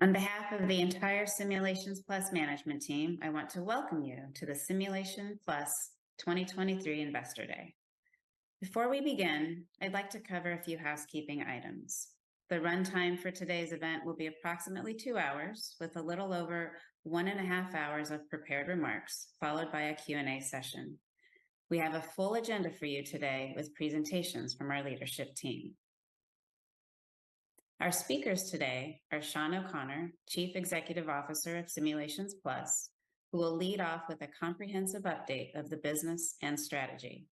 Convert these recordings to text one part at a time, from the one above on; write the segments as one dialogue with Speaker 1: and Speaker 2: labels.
Speaker 1: On behalf of the entire Simulations Plus management team, I want to welcome you to the Simulations Plus 2023 Investor Day. Before we begin, I'd like to cover a few housekeeping items. The runtime for today's event will be approximately two hours, with a little over one and a half hours of prepared remarks, followed by a Q&A session. We have a full agenda for you today with presentations from our leadership team. Our speakers today are Shawn O'Connor, Chief Executive Officer of Simulations Plus, who will lead off with a comprehensive update of the business and strategy.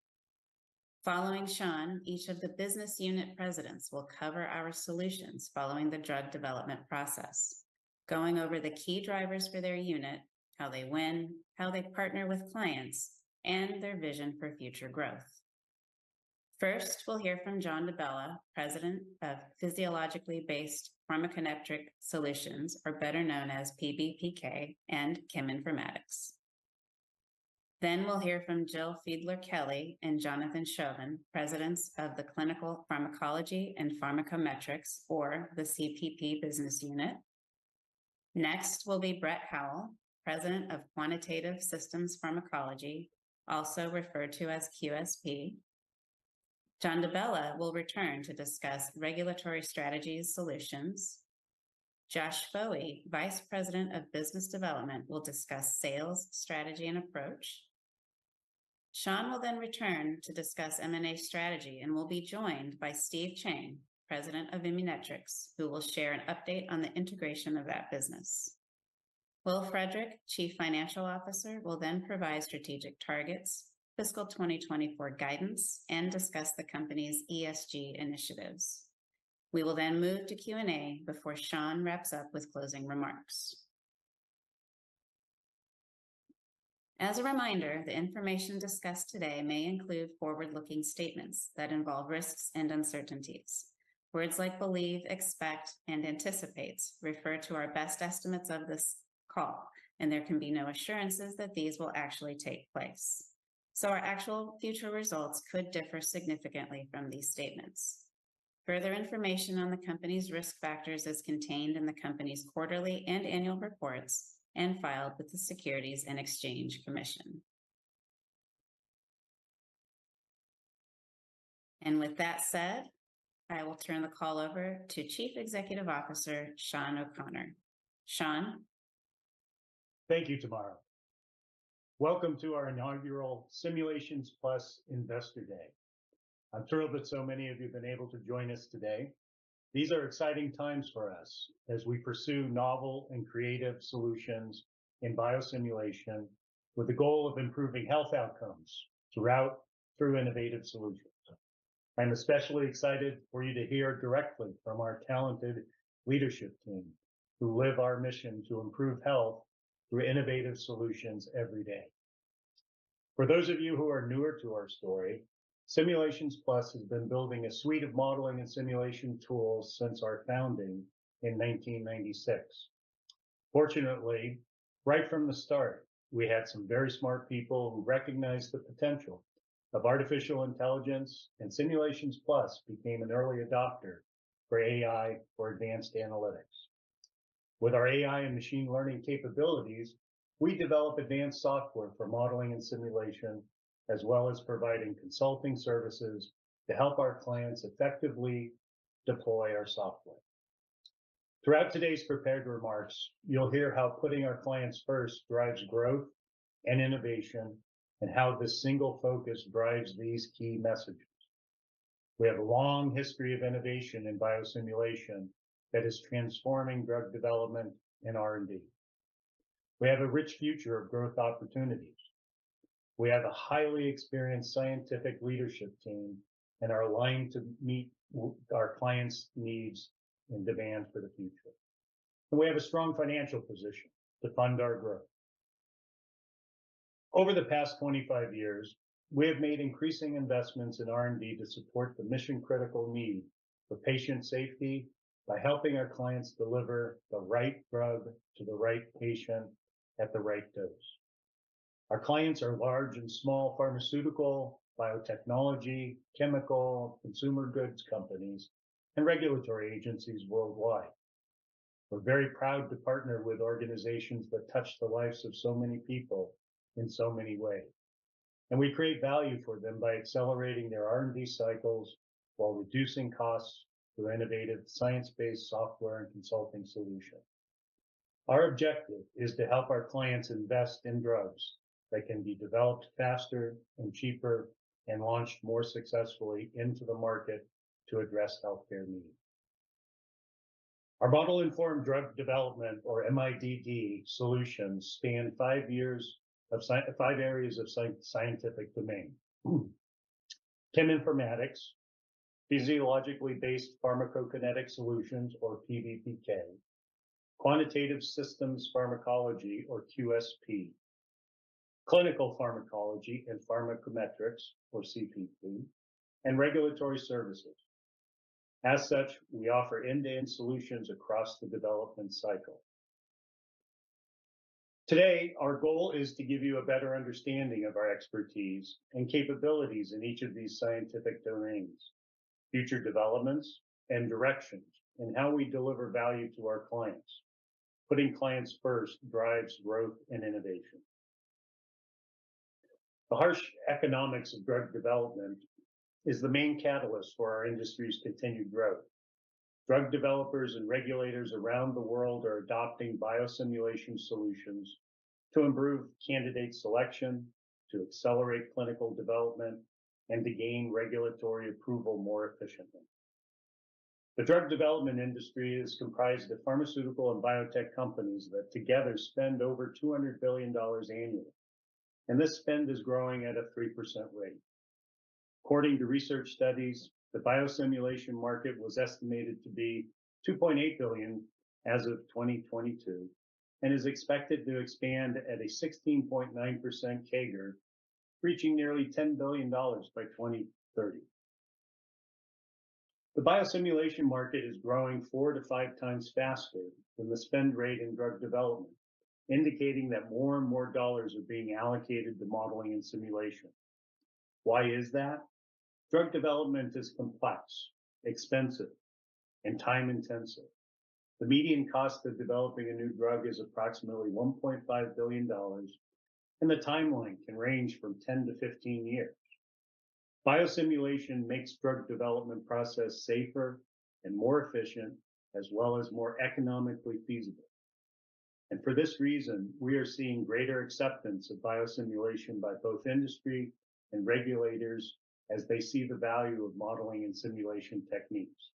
Speaker 1: Following Shawn, each of the business unit presidents will cover our solutions following the drug development process, going over the key drivers for their unit, how they win, how they partner with clients, and their vision for future growth. First, we'll hear from John DiBella, President of Physiologically Based Pharmacokinetic Solutions, or better known as PBPK and Cheminformatics. Then we'll hear from Jill Fiedler-Kelly and Jonathan Chauvin, Presidents of the Clinical Pharmacology and Pharmacometrics, or the CPP business unit. Next will be Brett Howell, President of Quantitative Systems Pharmacology, also referred to as QSP. John DiBella will return to discuss regulatory strategy solutions. Josh Fowler, Vice President of Business Development, will discuss sales, strategy, and approach. Shawn O'Connor will then return to discuss M&A strategy and will be joined by Steve Cheng, President of Immunetrics, who will share an update on the integration of that business. Will Frederick, Chief Financial Officer, will then provide strategic targets, fiscal 2024 guidance, and discuss the company's ESG initiatives. We will then move to Q&A before Shawn O'Connor wraps up with closing remarks. As a reminder, the information discussed today may include forward-looking statements that involve risks and uncertainties. Words like believe, expect, and anticipates refer to our best estimates of this call, and there can be no assurances that these will actually take place. So our actual future results could differ significantly from these statements. Further information on the company's risk factors is contained in the company's quarterly and annual reports, and filed with the Securities and Exchange Commission. With that said, I will turn the call over to Chief Executive Officer, Shawn O'Connor. Shawn?
Speaker 2: Thank you, Tamara. Welcome to our inaugural Simulations Plus Investor Day. I'm thrilled that so many of you have been able to join us today. These are exciting times for us as we pursue novel and creative solutions in biosimulation with the goal of improving health outcomes throughout--through innovative solutions. I'm especially excited for you to hear directly from our talented leadership team, who live our mission to improve health through innovative solutions every day. For those of you who are newer to our story, Simulations Plus has been building a suite of modeling and simulation tools since our founding in 1996. Fortunately, right from the start, we had some very smart people who recognized the potential of artificial intelligence, and Simulations Plus became an early adopter for AI for advanced analytics. With our AI and machine learning capabilities, we develop advanced software for modeling and simulation, as well as providing consulting services to help our clients effectively deploy our software. Throughout today's prepared remarks, you'll hear how putting our clients first drives growth and innovation, and how this single focus drives these key messages. We have a long history of innovation in biosimulation that is transforming drug development and R&D. We have a rich future of growth opportunities. We have a highly experienced scientific leadership team and are aligned to meet our clients' needs and demands for the future. We have a strong financial position to fund our growth. Over the past 25 years, we have made increasing investments in R&D to support the mission-critical need for patient safety by helping our clients deliver the right drug to the right patient at the right dose. Our clients are large and small pharmaceutical, biotechnology, chemical, consumer goods companies, and regulatory agencies worldwide. We're very proud to partner with organizations that touch the lives of so many people in so many ways, and we create value for them by accelerating their R&D cycles while reducing costs through innovative science-based software and consulting solutions. Our objective is to help our clients invest in drugs that can be developed faster and cheaper and launched more successfully into the market to address healthcare needs. Our model-informed drug development, or MIDD solutions, span five areas of scientific domain: cheminformatics, physiologically based pharmacokinetic solutions or PBPK, quantitative systems pharmacology or QSP, clinical pharmacology and pharmacometrics or CPP, and regulatory services. As such, we offer end-to-end solutions across the development cycle. Today, our goal is to give you a better understanding of our expertise and capabilities in each of these scientific domains, future developments, and directions, and how we deliver value to our clients. Putting clients first drives growth and innovation. The harsh economics of drug development is the main catalyst for our industry's continued growth. Drug developers and regulators around the world are adopting biosimulation solutions to improve candidate selection, to accelerate clinical development, and to gain regulatory approval more efficiently. The drug development industry is comprised of pharmaceutical and biotech companies that together spend over $200 billion annually, and this spend is growing at a 3% rate. According to research studies, the biosimulation market was estimated to be $2.8 billion as of 2022, and is expected to expand at a 16.9% CAGR, reaching nearly $10 billion by 2030. The biosimulation market is growing 4-5x faster than the spend rate in drug development, indicating that more and more dollars are being allocated to modeling and simulation. Why is that? Drug development is complex, expensive, and time intensive. The median cost of developing a new drug is approximately $1.5 billion, and the timeline can range from 10-15 years. Biosimulation makes drug development process safer and more efficient, as well as more economically feasible. For this reason, we are seeing greater acceptance of biosimulation by both industry and regulators as they see the value of modeling and simulation techniques.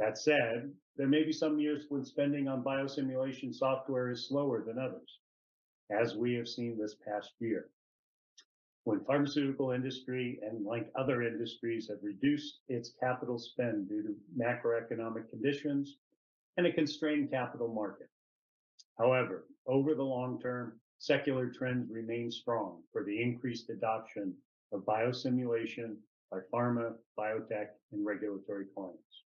Speaker 2: That said, there may be some years when spending on biosimulation software is slower than others, as we have seen this past year, when pharmaceutical industry, and like other industries, have reduced its capital spend due to macroeconomic conditions and a constrained capital market. However, over the long term, secular trends remain strong for the increased adoption of biosimulation by pharma, biotech, and regulatory clients.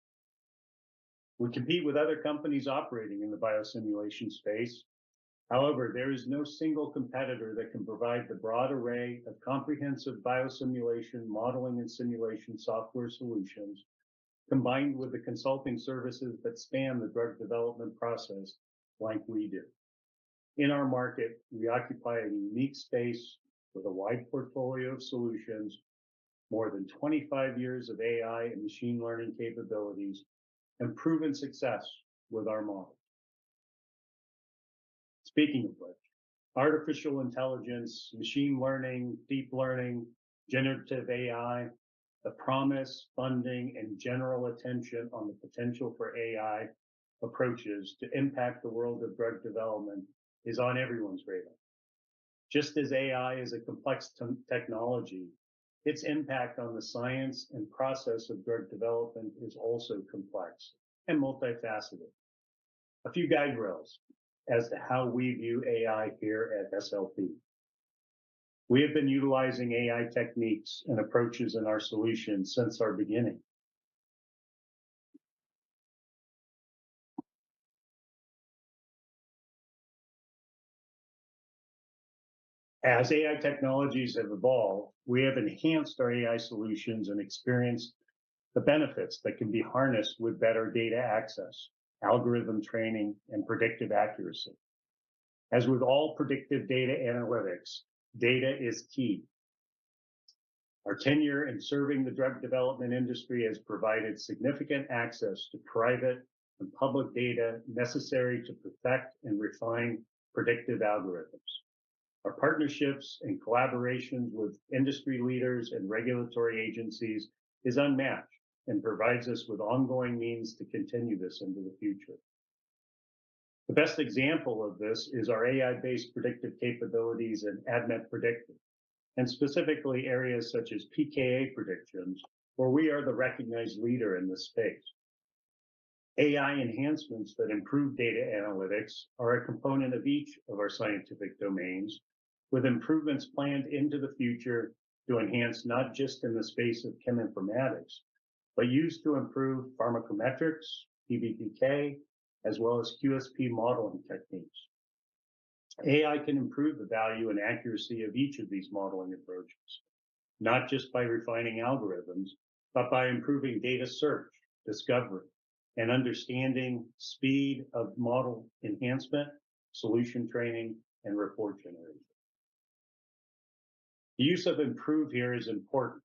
Speaker 2: We compete with other companies operating in the biosimulation space. However, there is no single competitor that can provide the broad array of comprehensive biosimulation, modeling, and simulation software solutions, combined with the consulting services that span the drug development process like we do. In our market, we occupy a unique space with a wide portfolio of solutions, more than 25 years of AI and machine learning capabilities, and proven success with our models. Speaking of which, artificial intelligence, machine learning, deep learning, generative AI, the promise, funding, and general attention on the potential for AI approaches to impact the world of drug development is on everyone's radar. Just as AI is a complex technology, its impact on the science and process of drug development is also complex and multifaceted. A few guide rails as to how we view AI here at SLP. We have been utilizing AI techniques and approaches in our solutions since our beginning. As AI technologies have evolved, we have enhanced our AI solutions and experienced the benefits that can be harnessed with better data access, algorithm training, and predictive accuracy. As with all predictive data analytics, data is key. Our tenure in serving the drug development industry has provided significant access to private and public data necessary to perfect and refine predictive algorithms. Our partnerships and collaborations with industry leaders and regulatory agencies is unmatched and provides us with ongoing means to continue this into the future. The best example of this is our AI-based predictive capabilities in ADMET Predictor, and specifically areas such as pKa predictions, where we are the recognized leader in this space. AI enhancements that improve data analytics are a component of each of our scientific domains, with improvements planned into the future to enhance, not just in the space of cheminformatics, but used to improve pharmacometrics, PBPK, as well as QSP modeling techniques. AI can improve the value and accuracy of each of these modeling approaches, not just by refining algorithms, but by improving data search, discovery, and understanding speed of model enhancement, solution training, and report generation. The use of 'improve' here is important.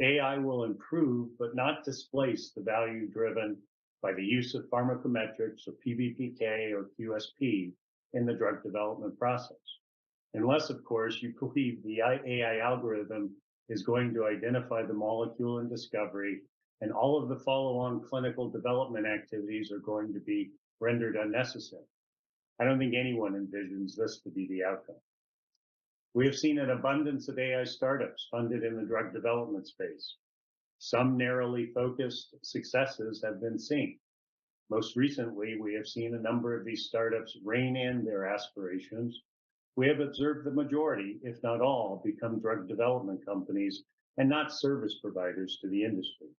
Speaker 2: AI will improve, but not displace, the value driven by the use of pharmacometrics or PBPK or QSP in the drug development process. Unless, of course, you believe the AI algorithm is going to identify the molecule in discovery and all of the follow-on clinical development activities are going to be rendered unnecessary. I don't think anyone envisions this to be the outcome. We have seen an abundance of AI startups funded in the drug development space. Some narrowly focused successes have been seen. Most recently, we have seen a number of these startups rein in their aspirations. We have observed the majority, if not all, become drug development companies and not service providers to the industry.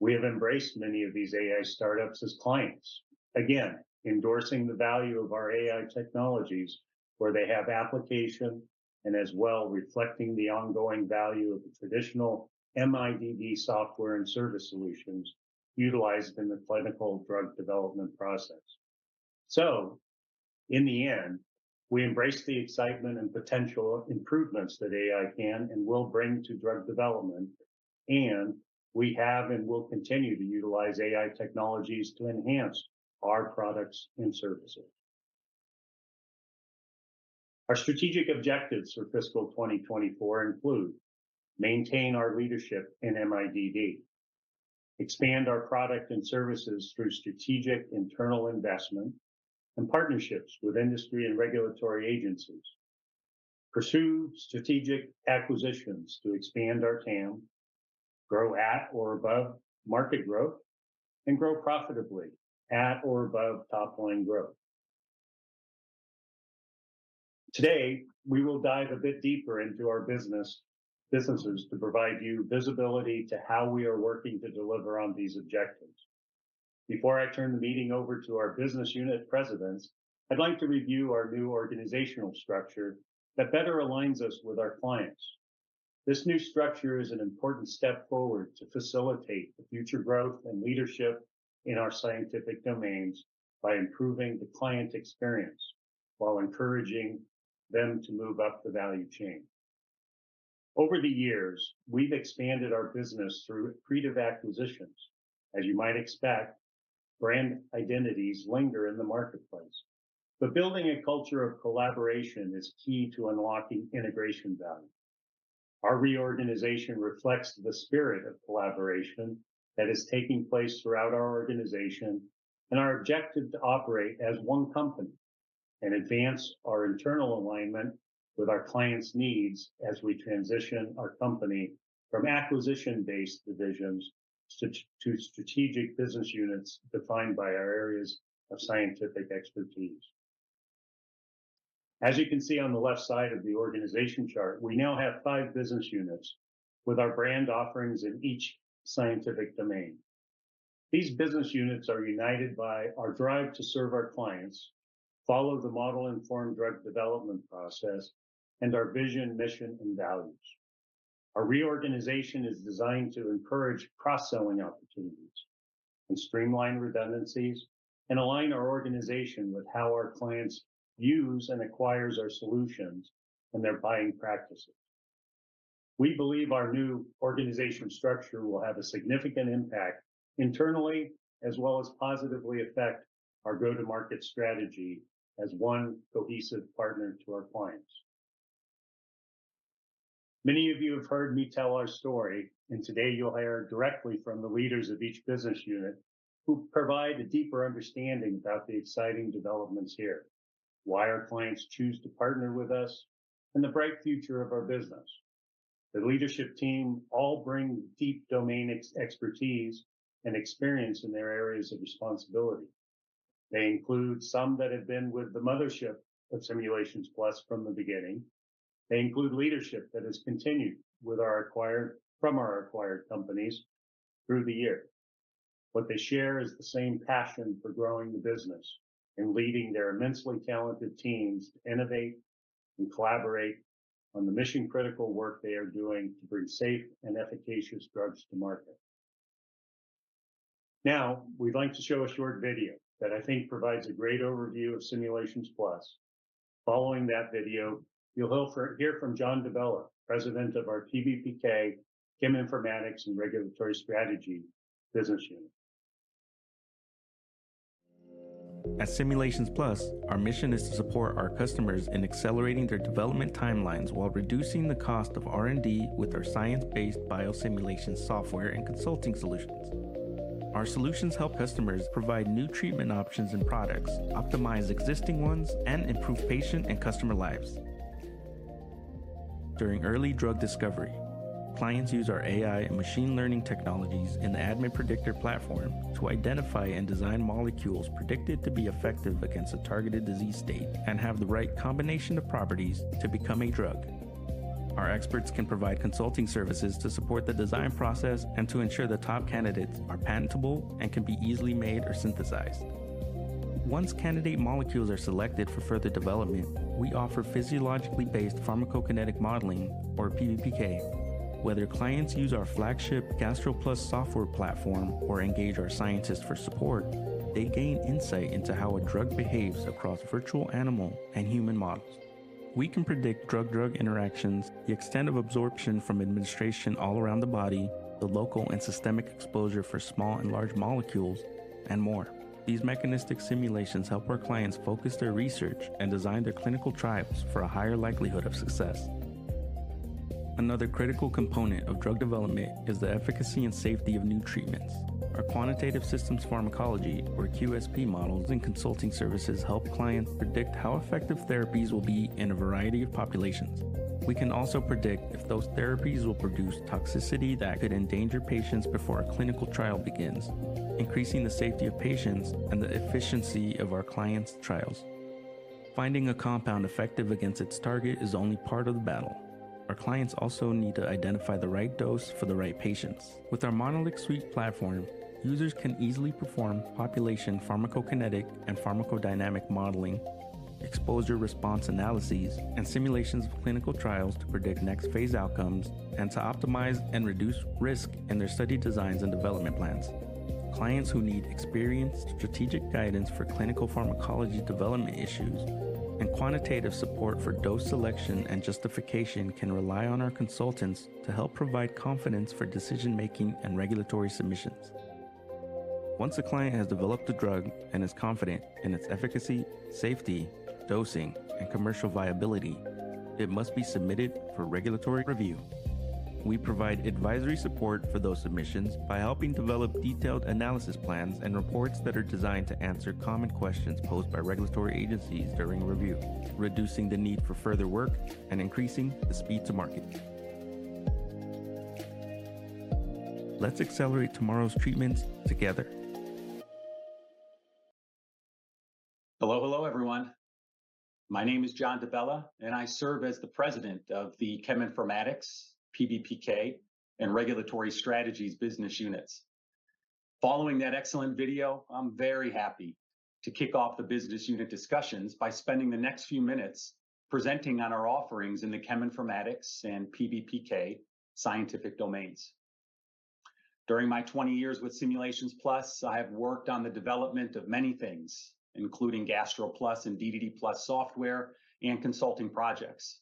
Speaker 2: We have embraced many of these AI startups as clients. Again, endorsing the value of our AI technologies where they have application, and as well, reflecting the ongoing value of the traditional MIDD software and service solutions utilized in the clinical drug development process. So, in the end, we embrace the excitement and potential improvements that AI can and will bring to drug development, and we have and will continue to utilize AI technologies to enhance our products and services. Our strategic objectives for fiscal 2024 include: maintain our leadership in MIDD, expand our product and services through strategic internal investment and partnerships with industry and regulatory agencies, pursue strategic acquisitions to expand our TAM, grow at or above market growth, and grow profitably at or above top line growth. Today, we will dive a bit deeper into our businesses to provide you visibility to how we are working to deliver on these objectives. Before I turn the meeting over to our business unit presidents, I'd like to review our new organizational structure that better aligns us with our clients. This new structure is an important step forward to facilitate the future growth and leadership in our scientific domains by improving the client experience, while encouraging them to move up the value chain. Over the years, we've expanded our business through accretive acquisitions. As you might expect, brand identities linger in the marketplace, but building a culture of collaboration is key to unlocking integration value. Our reorganization reflects the spirit of collaboration that is taking place throughout our organization, and our objective to operate as one company and advance our internal alignment with our clients' needs as we transition our company from acquisition-based divisions to strategic business units defined by our areas of scientific expertise. As you can see on the left side of the organization chart, we now have five business units, with our brand offerings in each scientific domain. These business units are united by our drive to serve our clients, follow the model-informed drug development process, and our vision, mission, and values. Our reorganization is designed to encourage cross-selling opportunities and streamline redundancies, and align our organization with how our clients use and acquire our solutions and their buying practices. We believe our new organizational structure will have a significant impact internally, as well as positively affect our go-to-market strategy as one cohesive partner to our clients. Many of you have heard me tell our story, and today you'll hear directly from the leaders of each business unit, who provide a deeper understanding about the exciting developments here, why our clients choose to partner with us, and the bright future of our business. The leadership team all bring deep domain expertise and experience in their areas of responsibility. They include some that have been with the mothership of Simulations Plus from the beginning. They include leadership that has continued with our acquired companies through the years. What they share is the same passion for growing the business and leading their immensely talented teams to innovate and collaborate on the mission-critical work they are doing to bring safe and efficacious drugs to market. Now, we'd like to show a short video that I think provides a great overview of Simulations Plus. Following that video, you'll hear from John DiBella, President of our PBPK, Cheminformatics, and Regulatory Strategy business unit.
Speaker 3: At Simulations Plus, our mission is to support our customers in accelerating their development timelines while reducing the cost of R&D with our science-based biosimulation software and consulting solutions. Our solutions help customers provide new treatment options and products, optimize existing ones, and improve patient and customer lives. During early drug discovery, clients use our AI and machine learning technologies in the ADMET Predictor platform to identify and design molecules predicted to be effective against a targeted disease state and have the right combination of properties to become a drug. Our experts can provide consulting services to support the design process and to ensure the top candidates are patentable and can be easily made or synthesized. Once candidate molecules are selected for further development, we offer physiologically based pharmacokinetic modeling, or PBPK. Whether clients use our flagship GastroPlus software platform or engage our scientists for support, they gain insight into how a drug behaves across virtual animal and human models. We can predict drug-drug interactions, the extent of absorption from administration all around the body, the local and systemic exposure for small and large molecules, and more. These mechanistic simulations help our clients focus their research and design their clinical trials for a higher likelihood of success. Another critical component of drug development is the efficacy and safety of new treatments. Our quantitative systems pharmacology, or QSP, models and consulting services help clients predict how effective therapies will be in a variety of populations. We can also predict if those therapies will produce toxicity that could endanger patients before a clinical trial begins, increasing the safety of patients and the efficiency of our clients' trials. Finding a compound effective against its target is only part of the battle. Our clients also need to identify the right dose for the right patients. With our MonolixSuite platform, users can easily perform population pharmacokinetic and pharmacodynamic modeling, exposure response analyses, and simulations of clinical trials to predict next phase outcomes, and to optimize and reduce risk in their study designs and development plans. Clients who need experienced strategic guidance for clinical pharmacology development issues and quantitative support for dose selection and justification can rely on our consultants to help provide confidence for decision-making and regulatory submissions. Once a client has developed a drug and is confident in its efficacy, safety, dosing, and commercial viability, it must be submitted for regulatory review. We provide advisory support for those submissions by helping develop detailed analysis plans and reports that are designed to answer common questions posed by regulatory agencies during review, reducing the need for further work and increasing the speed to market. Let's accelerate tomorrow's treatments together.
Speaker 4: Hello, hello, everyone. My name is John DiBella, and I serve as the president of the Cheminformatics, PBPK, and Regulatory Strategies business units. Following that excellent video, I'm very happy to kick off the business unit discussions by spending the next few minutes presenting on our offerings in the Cheminformatics and PBPK scientific domains. During my 20 years with Simulations Plus, I have worked on the development of many things, including GastroPlus and DDDPlus software and consulting projects.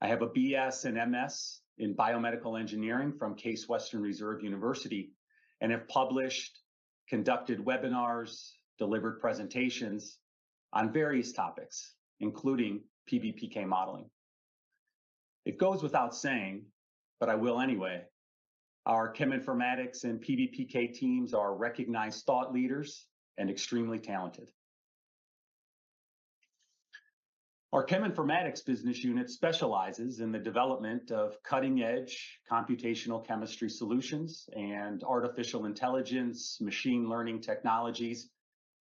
Speaker 4: I have a BS and MS in Biomedical Engineering from Case Western Reserve University, and have published, conducted webinars, delivered presentations on various topics, including PBPK modeling. It goes without saying, but I will anyway, our Cheminformatics and PBPK teams are recognized thought leaders and extremely talented. Our Cheminformatics business unit specializes in the development of cutting-edge computational chemistry solutions and artificial intelligence, machine learning technologies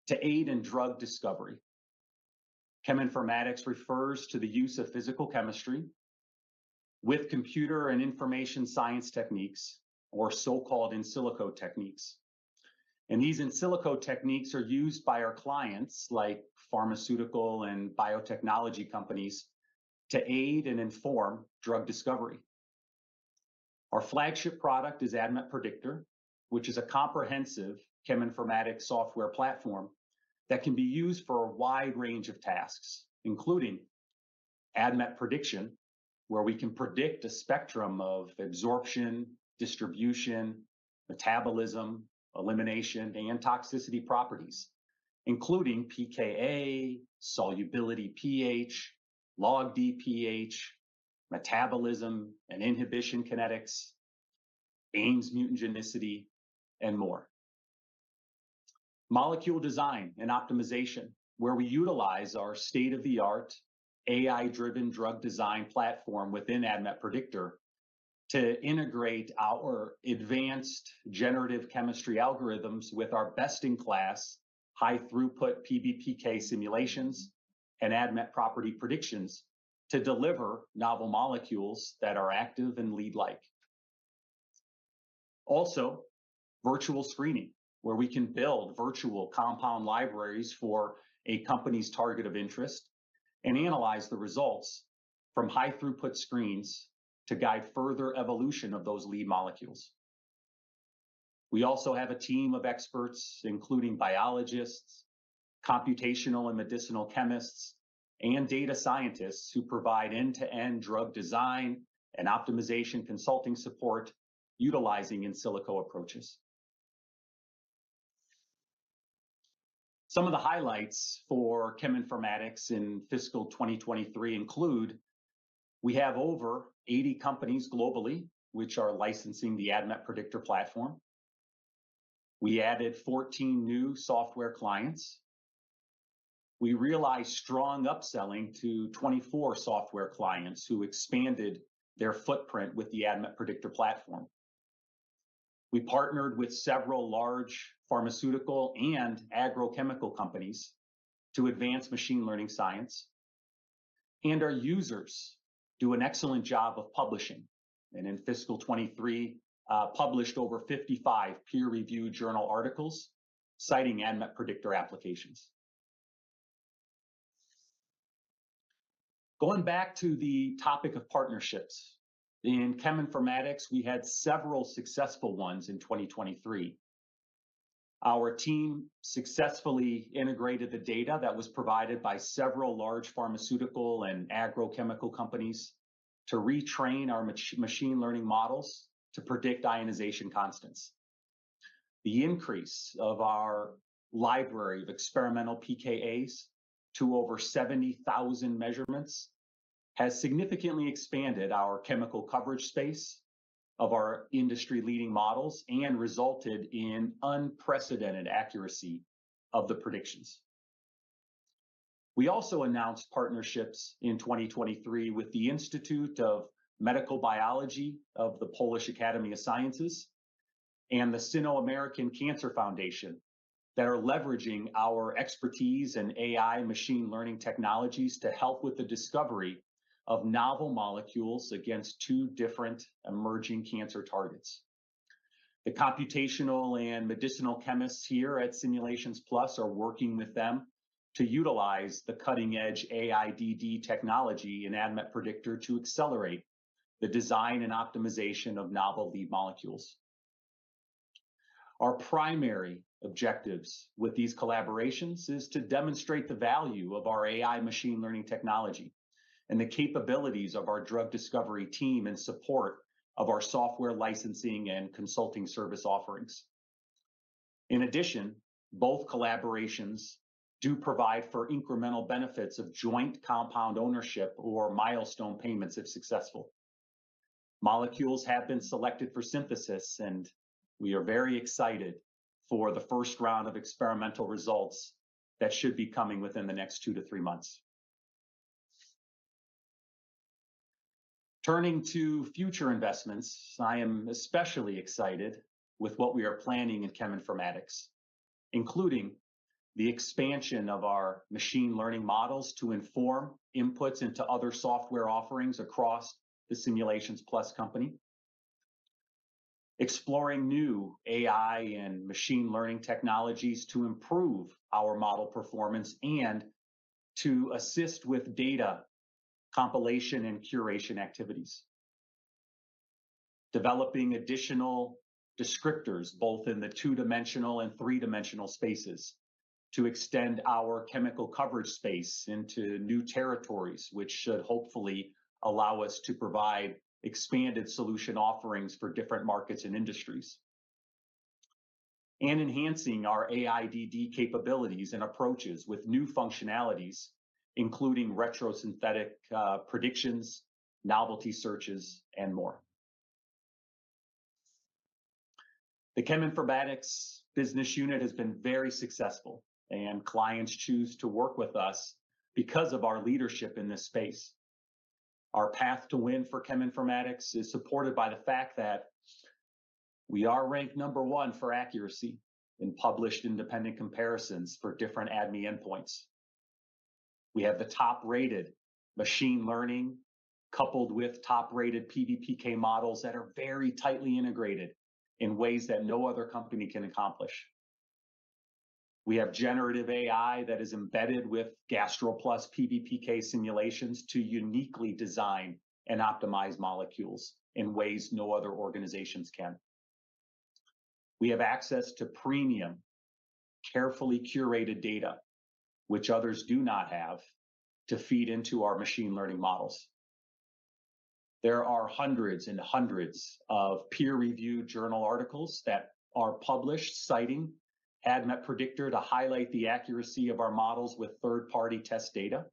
Speaker 4: to aid in drug discovery. Cheminformatics refers to the use of physical chemistry with computer and information science techniques, or so-called in silico techniques. These in silico techniques are used by our clients, like pharmaceutical and biotechnology companies, to aid and inform drug discovery. Our flagship product is ADMET Predictor, which is a comprehensive cheminformatics software platform that can be used for a wide range of tasks, including ADMET prediction, where we can predict a spectrum of absorption, distribution, metabolism, elimination, and toxicity properties, including pKa, solubility pH, logD/pH, metabolism, and inhibition kinetics, Ames mutagenicity, and more. Molecule design and optimization, where we utilize our state-of-the-art AI-driven drug design platform within ADMET Predictor to integrate our advanced generative chemistry algorithms with our best-in-class high-throughput PBPK simulations and ADMET property predictions to deliver novel molecules that are active and lead-like. Also, virtual screening, where we can build virtual compound libraries for a company's target of interest and analyze the results from high-throughput screens to guide further evolution of those lead molecules. We also have a team of experts, including biologists, computational and medicinal chemists, and data scientists who provide end-to-end drug design and optimization consulting support utilizing in silico approaches. Some of the highlights for Cheminformatics in fiscal 2023 include: we have over 80 companies globally which are licensing the ADMET Predictor platform. We added 14 new software clients. We realized strong upselling to 24 software clients who expanded their footprint with the ADMET Predictor platform. We partnered with several large pharmaceutical and agrochemical companies to advance machine learning science. And our users do an excellent job of publishing, and in fiscal 2023, published over 55 peer-reviewed journal articles citing ADMET Predictor applications. Going back to the topic of partnerships, in Cheminformatics, we had several successful ones in 2023. Our team successfully integrated the data that was provided by several large pharmaceutical and agrochemical companies to retrain our machine learning models to predict ionization constants. The increase of our library of experimental pKas to over 70,000 measurements has significantly expanded our chemical coverage space of our industry-leading models and resulted in unprecedented accuracy of the predictions. We also announced partnerships in 2023 with the Institute of Medical Biology of the Polish Academy of Sciences and the Sino-American Cancer Foundation, that are leveraging our expertise in AI machine learning technologies to help with the discovery of novel molecules against two different emerging cancer targets. The computational and medicinal chemists here at Simulations Plus are working with them to utilize the cutting-edge AIDD technology and ADMET Predictor to accelerate the design and optimization of novel lead molecules. Our primary objectives with these collaborations is to demonstrate the value of our AI machine learning technology, and the capabilities of our drug discovery team in support of our software licensing and consulting service offerings. In addition, both collaborations do provide for incremental benefits of joint compound ownership or milestone payments if successful. Molecules have been selected for synthesis, and we are very excited for the first round of experimental results that should be coming within the next 2-3 months. Turning to future investments, I am especially excited with what we are planning in Cheminformatics, including the expansion of our machine learning models to inform inputs into other software offerings across the Simulations Plus company. Exploring new AI and machine learning technologies to improve our model performance and to assist with data compilation and curation activities. Developing additional descriptors, both in the two-dimensional and three-dimensional spaces, to extend our chemical coverage space into new territories, which should hopefully allow us to provide expanded solution offerings for different markets and industries. Enhancing our AIDD capabilities and approaches with new functionalities, including retrosynthetic predictions, novelty searches, and more. The Cheminformatics business unit has been very successful, and clients choose to work with us because of our leadership in this space. Our path to win for Cheminformatics is supported by the fact that we are ranked number one for accuracy in published independent comparisons for different ADME endpoints. We have the top-rated machine learning, coupled with top-rated PBPK models that are very tightly integrated in ways that no other company can accomplish. We have generative AI that is embedded with GastroPlus PBPK simulations to uniquely design and optimize molecules in ways no other organizations can. We have access to premium, carefully curated data, which others do not have, to feed into our machine learning models. There are hundreds and hundreds of peer-reviewed journal articles that are published citing ADMET Predictor to highlight the accuracy of our models with third-party test data.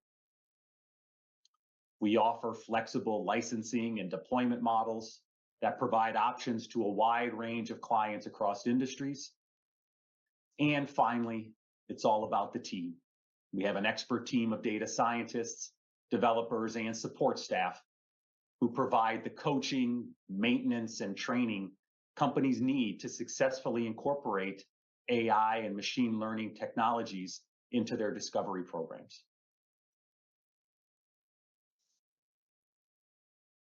Speaker 4: We offer flexible licensing and deployment models that provide options to a wide range of clients across industries. And finally, it's all about the team. We have an expert team of data scientists, developers, and support staff who provide the coaching, maintenance, and training companies need to successfully incorporate AI and machine learning technologies into their discovery programs.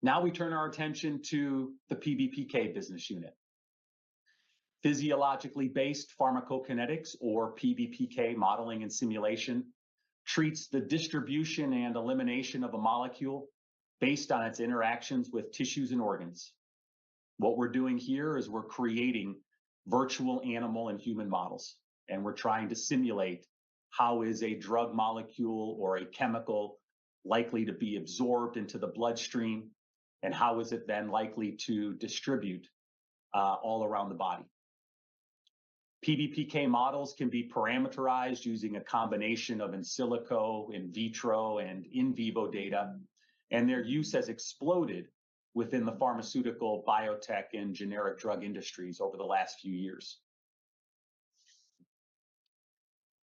Speaker 4: Now we turn our attention to the PBPK business unit. Physiologically based pharmacokinetics, or PBPK, modeling and simulation treats the distribution and elimination of a molecule based on its interactions with tissues and organs. What we're doing here is we're creating virtual animal and human models, and we're trying to simulate how is a drug molecule or a chemical likely to be absorbed into the bloodstream, and how is it then likely to distribute all around the body? PBPK models can be parameterized using a combination of in silico, in vitro, and in vivo data, and their use has exploded within the pharmaceutical, biotech, and generic drug industries over the last few years.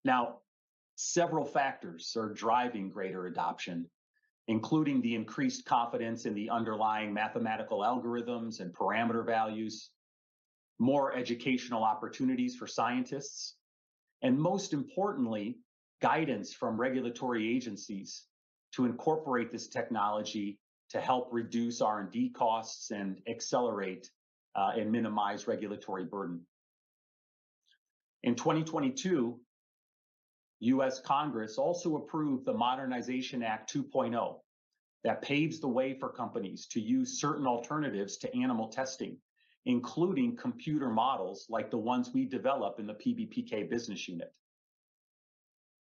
Speaker 4: Now, several factors are driving greater adoption, including the increased confidence in the underlying mathematical algorithms and parameter values, more educational opportunities for scientists, and most importantly, guidance from regulatory agencies to incorporate this technology to help reduce R&D costs and accelerate and minimize regulatory burden. In 2022, U.S. Congress also approved the Modernization Act 2.0, that paves the way for companies to use certain alternatives to animal testing, including computer models like the ones we develop in the PBPK business unit,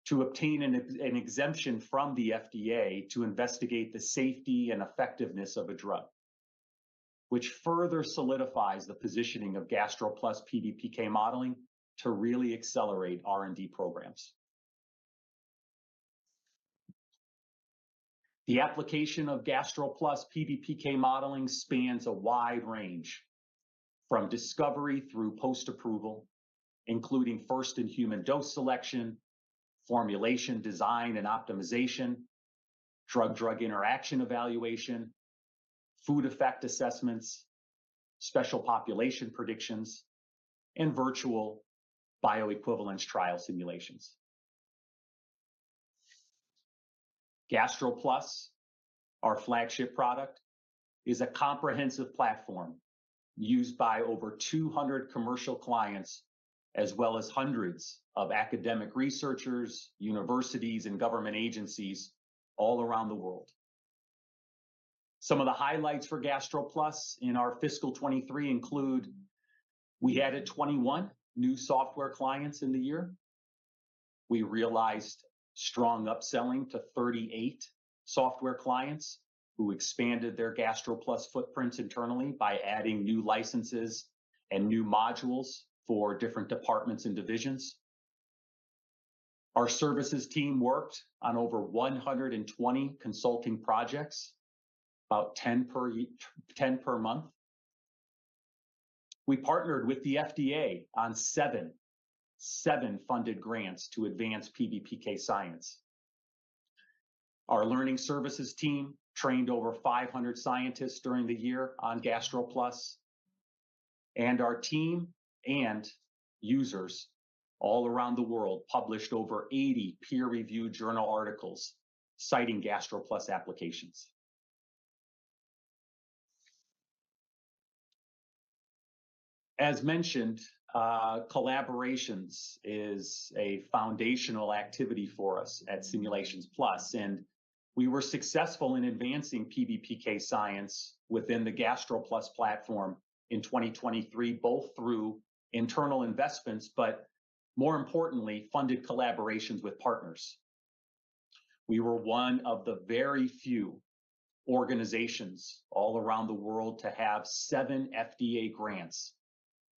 Speaker 4: to obtain an exemption from the FDA to investigate the safety and effectiveness of a drug, which further solidifies the positioning of GastroPlus PBPK modeling to really accelerate R&D programs. The application of GastroPlus PBPK modeling spans a wide range, from discovery through post-approval, including first-in-human dose selection, formulation design and optimization. Drug-drug interaction evaluation, food effect assessments, special population predictions, and virtual bioequivalence trial simulations. GastroPlus, our flagship product, is a comprehensive platform used by over 200 commercial clients, as well as hundreds of academic researchers, universities, and government agencies all around the world. Some of the highlights for GastroPlus in our fiscal 2023 include: we added 21 new software clients in the year. We realized strong upselling to 38 software clients who expanded their GastroPlus footprints internally by adding new licenses and new modules for different departments and divisions. Our services team worked on over 120 consulting projects, about 10 per month. We partnered with the FDA on seven funded grants to advance PBPK science. Our learning services team trained over 500 scientists during the year on GastroPlus, and our team and users all around the world published over 80 peer-reviewed journal articles citing GastroPlus applications. As mentioned, collaborations is a foundational activity for us at Simulations Plus, and we were successful in advancing PBPK science within the GastroPlus platform in 2023, both through internal investments, but more importantly, funded collaborations with partners. We were one of the very few organizations all around the world to have seven FDA grants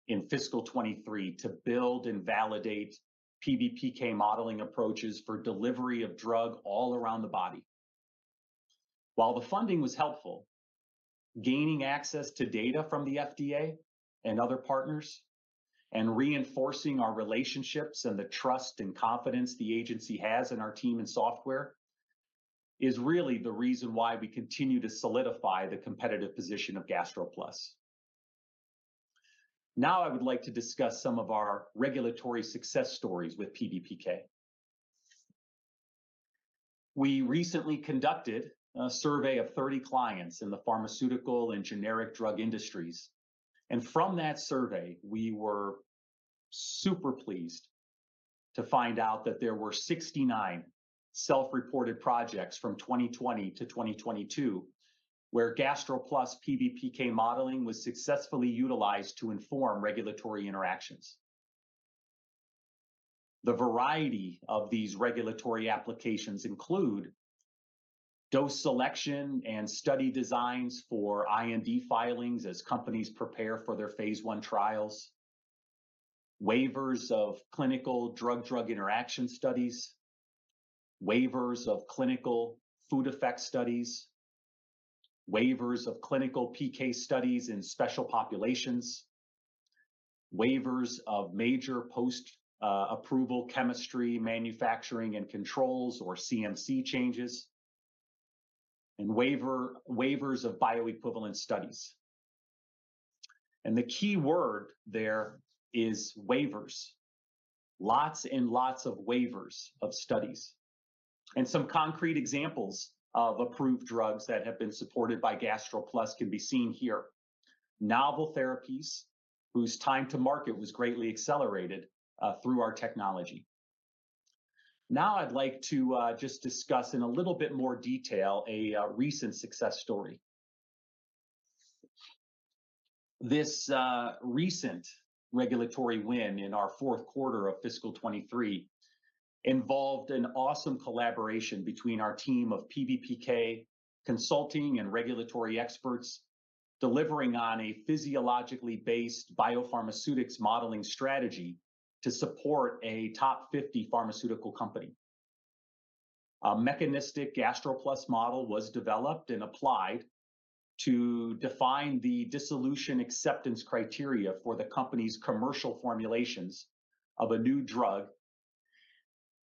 Speaker 4: in fiscal 2023 to build and validate PBPK modeling approaches for delivery of drug all around the body. While the funding was helpful, gaining access to data from the FDA and other partners, and reinforcing our relationships and the trust and confidence the agency has in our team and software, is really the reason why we continue to solidify the competitive position of GastroPlus. Now, I would like to discuss some of our regulatory success stories with PBPK. We recently conducted a survey of 30 clients in the pharmaceutical and generic drug industries, and from that survey, we were super pleased to find out that there were 69 self-reported projects from 2020-2022, where GastroPlus PBPK modeling was successfully utilized to inform regulatory interactions. The variety of these regulatory applications include dose selection and study designs for IND filings as companies prepare for their phase I trials, waivers of clinical drug-drug interaction studies, waivers of clinical food effect studies, waivers of clinical PK studies in special populations, waivers of major post-approval chemistry, manufacturing, and controls, or CMC changes, and waivers of bioequivalence studies. The key word there is waivers. Lots and lots of waivers of studies. Some concrete examples of approved drugs that have been supported by GastroPlus can be seen here. Novel therapies whose time to market was greatly accelerated through our technology. Now I'd like to just discuss in a little bit more detail a recent success story. This recent regulatory win in our fourth quarter of fiscal 2023 involved an awesome collaboration between our team of PBPK consulting and regulatory experts, delivering on a physiologically based biopharmaceutics modeling strategy to support a top 50 pharmaceutical company. A mechanistic GastroPlus model was developed and applied to define the dissolution acceptance criteria for the company's commercial formulations of a new drug,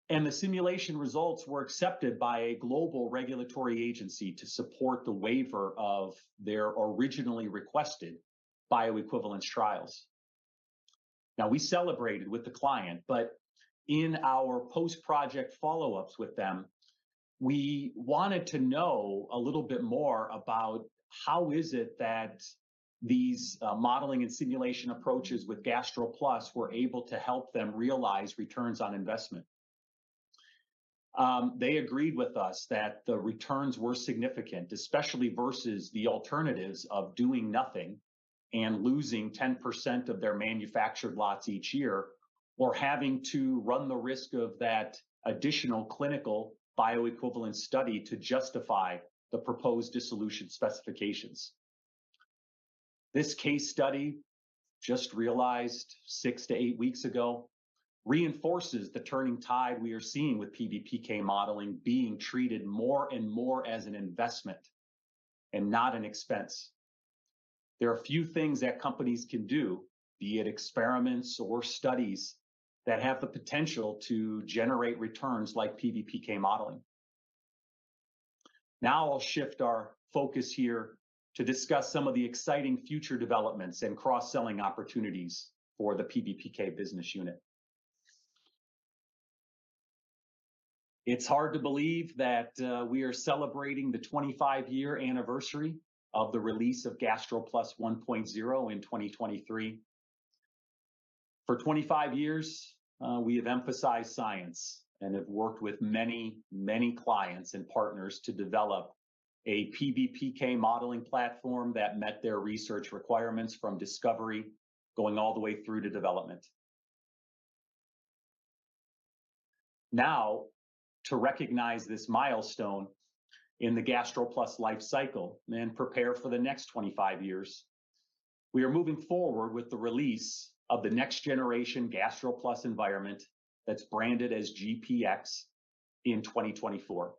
Speaker 4: and the simulation results were accepted by a global regulatory agency to support the waiver of their originally requested bioequivalence trials. Now, we celebrated with the client, but in our post-project follow-ups with them, we wanted to know a little bit more about how is it that these modeling and simulation approaches with GastroPlus were able to help them realize returns on investment? They agreed with us that the returns were significant, especially versus the alternatives of doing nothing and losing 10% of their manufactured lots each year, or having to run the risk of that additional clinical bioequivalence study to justify the proposed dissolution specifications. This case study, just realized 6-8 weeks ago, reinforces the turning tide we are seeing with PBPK modeling being treated more and more as an investment and not an expense. There are few things that companies can do, be it experiments or studies, that have the potential to generate returns like PBPK modeling. Now I'll shift our focus here to discuss some of the exciting future developments and cross-selling opportunities for the PBPK business unit. It's hard to believe that we are celebrating the 25-year anniversary of the release of GastroPlus 1.0 in 2023. For 25 years, we have emphasized science and have worked with many, many clients and partners to develop a PBPK modeling platform that met their research requirements from discovery, going all the way through to development. Now, to recognize this milestone in the GastroPlus life cycle and prepare for the next 25 years, we are moving forward with the release of the next generation GastroPlus environment that's branded as GPX in 2024.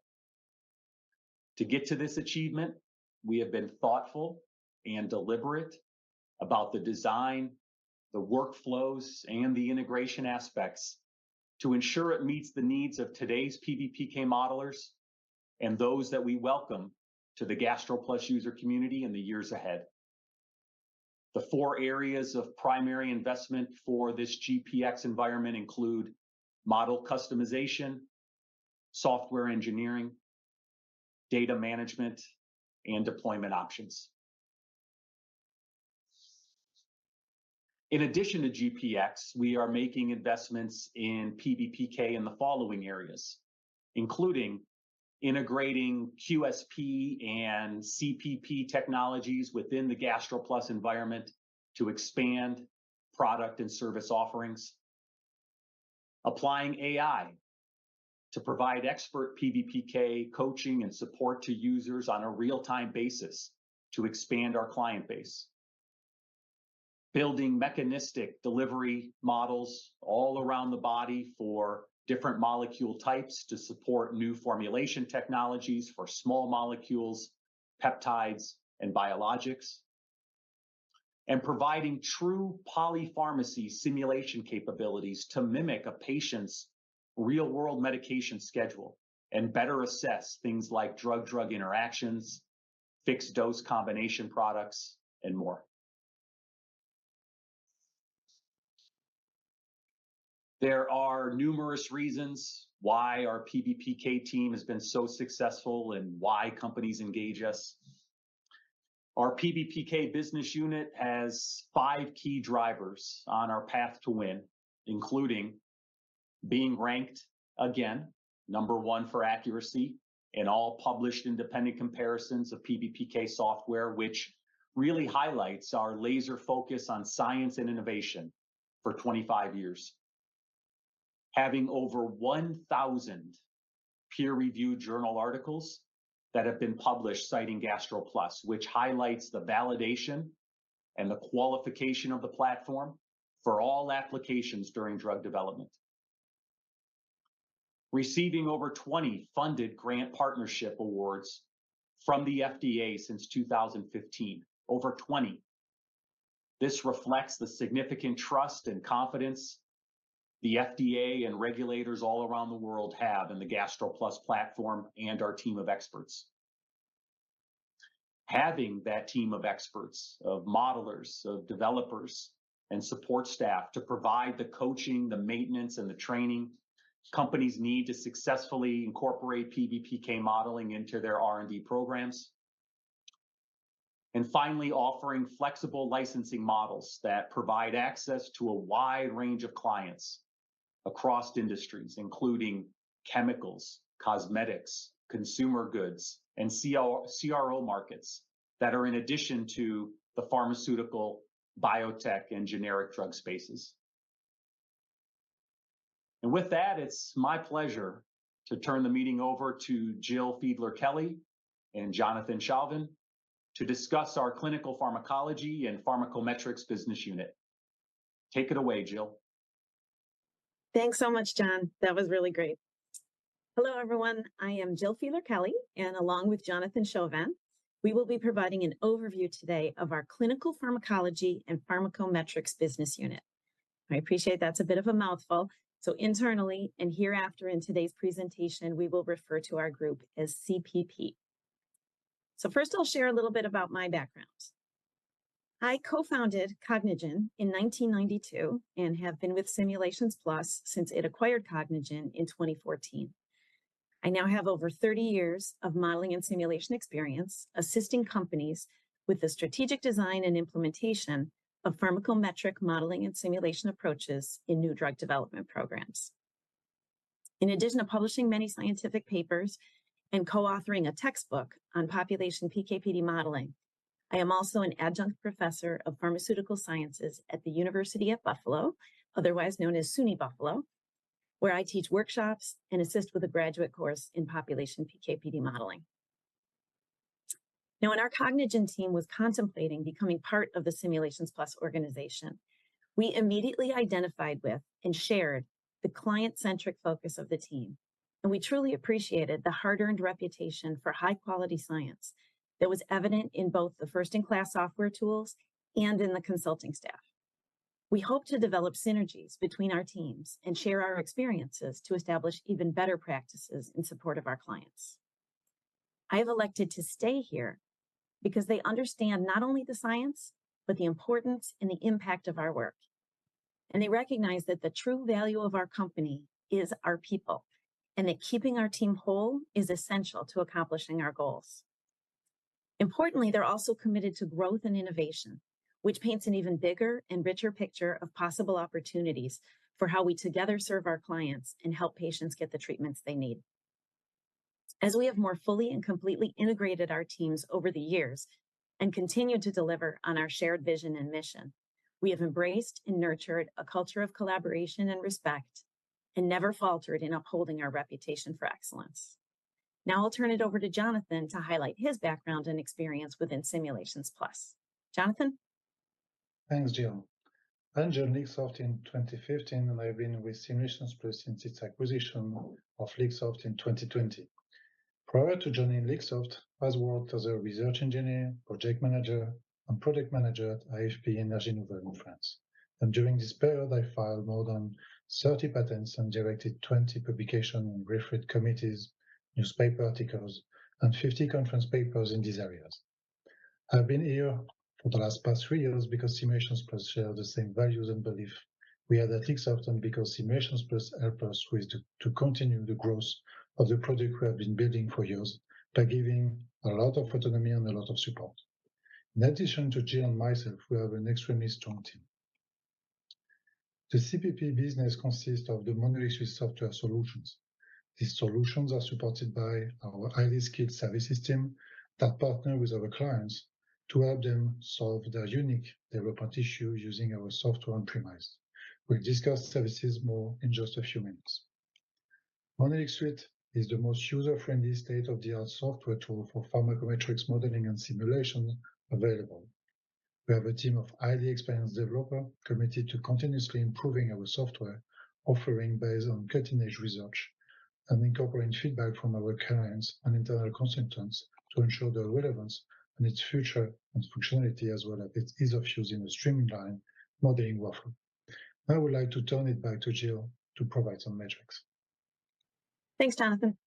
Speaker 4: To get to this achievement, we have been thoughtful and deliberate about the design, the workflows, and the integration aspects to ensure it meets the needs of today's PBPK modelers and those that we welcome to the GastroPlus user community in the years ahead. The four areas of primary investment for this GPX environment include: model customization, software engineering, data management, and deployment options. In addition to GPX, we are making investments in PBPK in the following areas, including integrating QSP and CPP technologies within the GastroPlus environment to expand product and service offerings. Applying AI to provide expert PBPK coaching and support to users on a real-time basis to expand our client base. Building mechanistic delivery models all around the body for different molecule types to support new formulation technologies for small molecules, peptides, and biologics. Providing true polypharmacy simulation capabilities to mimic a patient's real-world medication schedule and better assess things like drug-drug interactions, fixed-dose combination products, and more. There are numerous reasons why our PBPK team has been so successful and why companies engage us. Our PBPK business unit has five key drivers on our path to win, including being ranked again number one for accuracy in all published independent comparisons of PBPK software, which really highlights our laser focus on science and innovation for 25 years. Having over 1,000 peer-reviewed journal articles that have been published citing GastroPlus, which highlights the validation and the qualification of the platform for all applications during drug development. Receiving over 20 funded grant partnership awards from the FDA since 2015. Over 20. This reflects the significant trust and confidence the FDA and regulators all around the world have in the GastroPlus platform and our team of experts. Having that team of experts, of modelers, of developers, and support staff to provide the coaching, the maintenance, and the training companies need to successfully incorporate PBPK modeling into their R&D programs. Finally, offering flexible licensing models that provide access to a wide range of clients across industries, including chemicals, cosmetics, consumer goods, and CRO markets that are in addition to the pharmaceutical, biotech, and generic drug spaces. With that, it's my pleasure to turn the meeting over to Jill Fiedler-Kelly and Jonathan Chauvin to discuss our Clinical Pharmacology and Pharmacometrics business unit. Take it away, Jill.
Speaker 5: Thanks so much, John. That was really great. Hello, everyone. I am Jill Fiedler-Kelly, and along with Jonathan Chauvin, we will be providing an overview today of our clinical pharmacology and pharmacometrics business unit. I appreciate that's a bit of a mouthful, so internally and hereafter in today's presentation, we will refer to our group as CPP. First, I'll share a little bit about my background. I co-founded Cognigen in 1992 and have been with Simulations Plus since it acquired Cognigen in 2014. I now have over 30 years of modeling and simulation experience, assisting companies with the strategic design and implementation of pharmacometric modeling and simulation approaches in new drug development programs. In addition to publishing many scientific papers and co-authoring a textbook on population PK/PD modeling, I am also an adjunct professor of pharmaceutical sciences at the University at Buffalo, otherwise known as SUNY Buffalo, where I teach workshops and assist with a graduate course in population PK/PD modeling. Now, when our Cognigen team was contemplating becoming part of the Simulations Plus organization, we immediately identified with and shared the client-centric focus of the team. We truly appreciated the hard-earned reputation for high-quality science that was evident in both the first-in-class software tools and in the consulting staff. We hope to develop synergies between our teams and share our experiences to establish even better practices in support of our clients. I have elected to stay here because they understand not only the science, but the importance and the impact of our work, and they recognize that the true value of our company is our people, and that keeping our team whole is essential to accomplishing our goals. Importantly, they're also committed to growth and innovation, which paints an even bigger and richer picture of possible opportunities for how we together serve our clients and help patients get the treatments they need. As we have more fully and completely integrated our teams over the years and continue to deliver on our shared vision and mission, we have embraced and nurtured a culture of collaboration and respect, and never faltered in upholding our reputation for excellence. Now I'll turn it over to Jonathan to highlight his background and experience within Simulations Plus. Jonathan?
Speaker 6: Thanks, Jill. I joined Lixoft in 2015, and I've been with Simulations Plus since its acquisition of Lixoft in 2020. Prior to joining Lixoft, I worked as a research engineer, project manager, and product manager at IFP Energies nouvelles in France. During this period, I filed more than 30 patents and directed 20 publication and referred committees, newspaper articles, and 50 conference papers in these areas. I've been here for the last past 3 years because Simulations Plus share the same values and belief. We are at Lixoft because Simulations Plus help us with to continue the growth of the product we have been building for years by giving a lot of autonomy and a lot of support. In addition to Jill and myself, we have an extremely strong team. The CPP business consists of the MonolixSuite software solutions. These solutions are supported by our highly skilled service system that partner with our clients to help them solve their unique development issue using our software on premise. We'll discuss services more in just a few minutes. MonolixSuite is the most user-friendly, state-of-the-art software tool for pharmacometrics modeling and simulation available. We have a team of highly experienced developer committed to continuously improving our software, offering based on cutting-edge research, and incorporating feedback from our clients and internal consultants to ensure the relevance and its future and functionality, as well as its ease of use in the streamline modeling workflow. I would like to turn it back to Jill to provide some metrics.
Speaker 5: Thanks, Jonathan.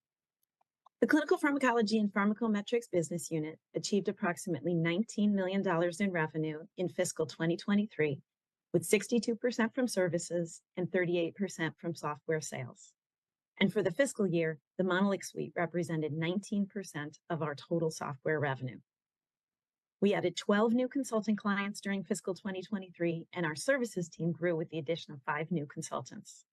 Speaker 5: The Clinical Pharmacology and Pharmacometrics business unit achieved approximately $19 million in revenue in fiscal 2023, with 62% from services and 38% from software sales. For the fiscal year, the MonolixSuite represented 19% of our total software revenue. We added 12 new consulting clients during fiscal 2023, and our services team grew with the addition of 5 new consultants.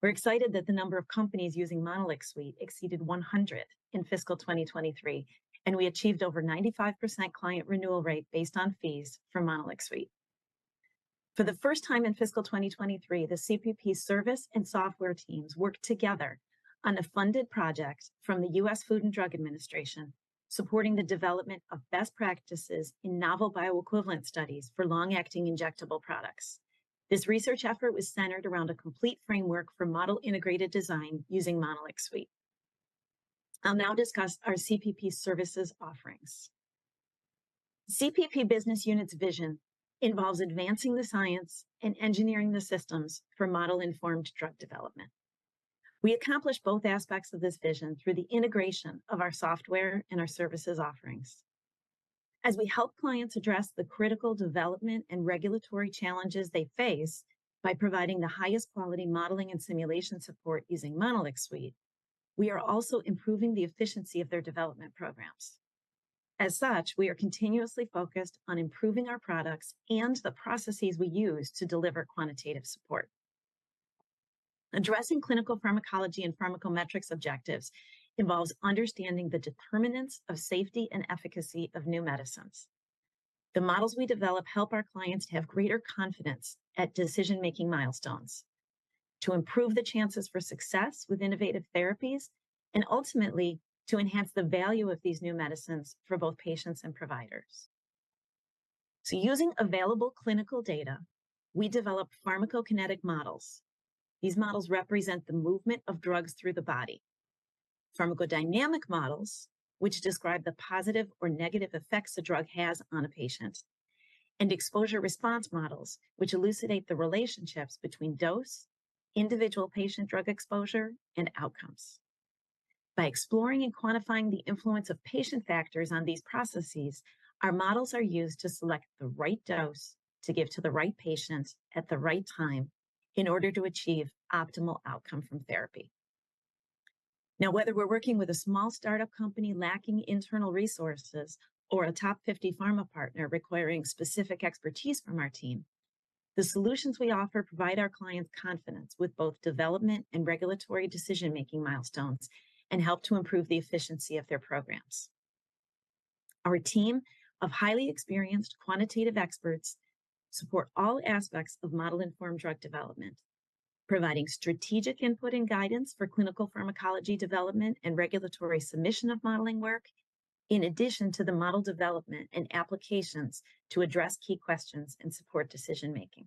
Speaker 5: We're excited that the number of companies using MonolixSuite exceeded 100 in fiscal 2023, and we achieved over 95% client renewal rate based on fees for MonolixSuite. For the first time in fiscal 2023, the CPP service and software teams worked together on a funded project from the U.S. Food and Drug Administration, supporting the development of best practices in novel bioequivalent studies for long-acting injectable products. This research effort was centered around a complete framework for model-integrated design using MonolixSuite. I'll now discuss our CPP services offerings. CPP business unit's vision involves advancing the science and engineering the systems for model-informed drug development. We accomplish both aspects of this vision through the integration of our software and our services offerings. As we help clients address the critical development and regulatory challenges they face by providing the highest quality modeling and simulation support using MonolixSuite, we are also improving the efficiency of their development programs. As such, we are continuously focused on improving our products and the processes we use to deliver quantitative support. Addressing clinical pharmacology and pharmacometrics objectives involves understanding the determinants of safety and efficacy of new medicines. The models we develop help our clients to have greater confidence at decision-making milestones, to improve the chances for success with innovative therapies, and ultimately, to enhance the value of these new medicines for both patients and providers. Using available clinical data, we develop pharmacokinetic models. These models represent the movement of drugs through the body. Pharmacodynamic models, which describe the positive or negative effects a drug has on a patient, and exposure response models, which elucidate the relationships between dose, individual patient drug exposure, and outcomes. By exploring and quantifying the influence of patient factors on these processes, our models are used to select the right dose to give to the right patients at the right time in order to achieve optimal outcome from therapy. Now, whether we're working with a small startup company lacking internal resources, or a top fifty pharma partner requiring specific expertise from our team, the solutions we offer provide our clients confidence with both development and regulatory decision-making milestones and help to improve the efficiency of their programs. Our team of highly experienced quantitative experts support all aspects of model-informed drug development, providing strategic input and guidance for clinical pharmacology development and regulatory submission of modeling work, in addition to the model development and applications to address key questions and support decision-making.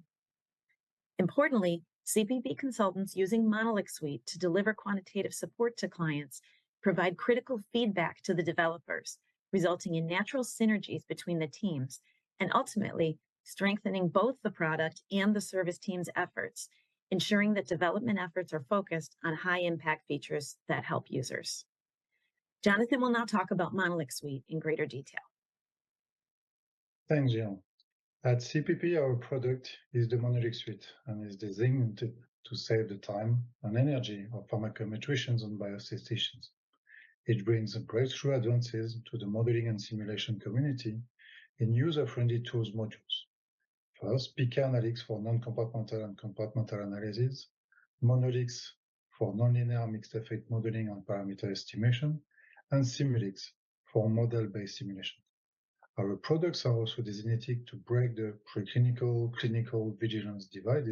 Speaker 5: Importantly, CPP consultants using MonolixSuite to deliver quantitative support to clients, provide critical feedback to the developers, resulting in natural synergies between the teams, and ultimately strengthening both the product and the service team's efforts, ensuring that development efforts are focused on high-impact features that help users. Jonathan will now talk about MonolixSuite in greater detail.
Speaker 6: Thanks, Jill. At CPP, our product is the MonolixSuite, and is designed to save the time and energy of pharmacometricians and biostatisticians. It brings a breakthrough advances to the modeling and simulation community in user-friendly tools modules. First, PKanalix for non-compartmental and compartmental analysis, Monolix for nonlinear mixed effect modeling and parameter estimation, and Simulx for model-based simulation. Our products are also designed to break the preclinical-clinical divide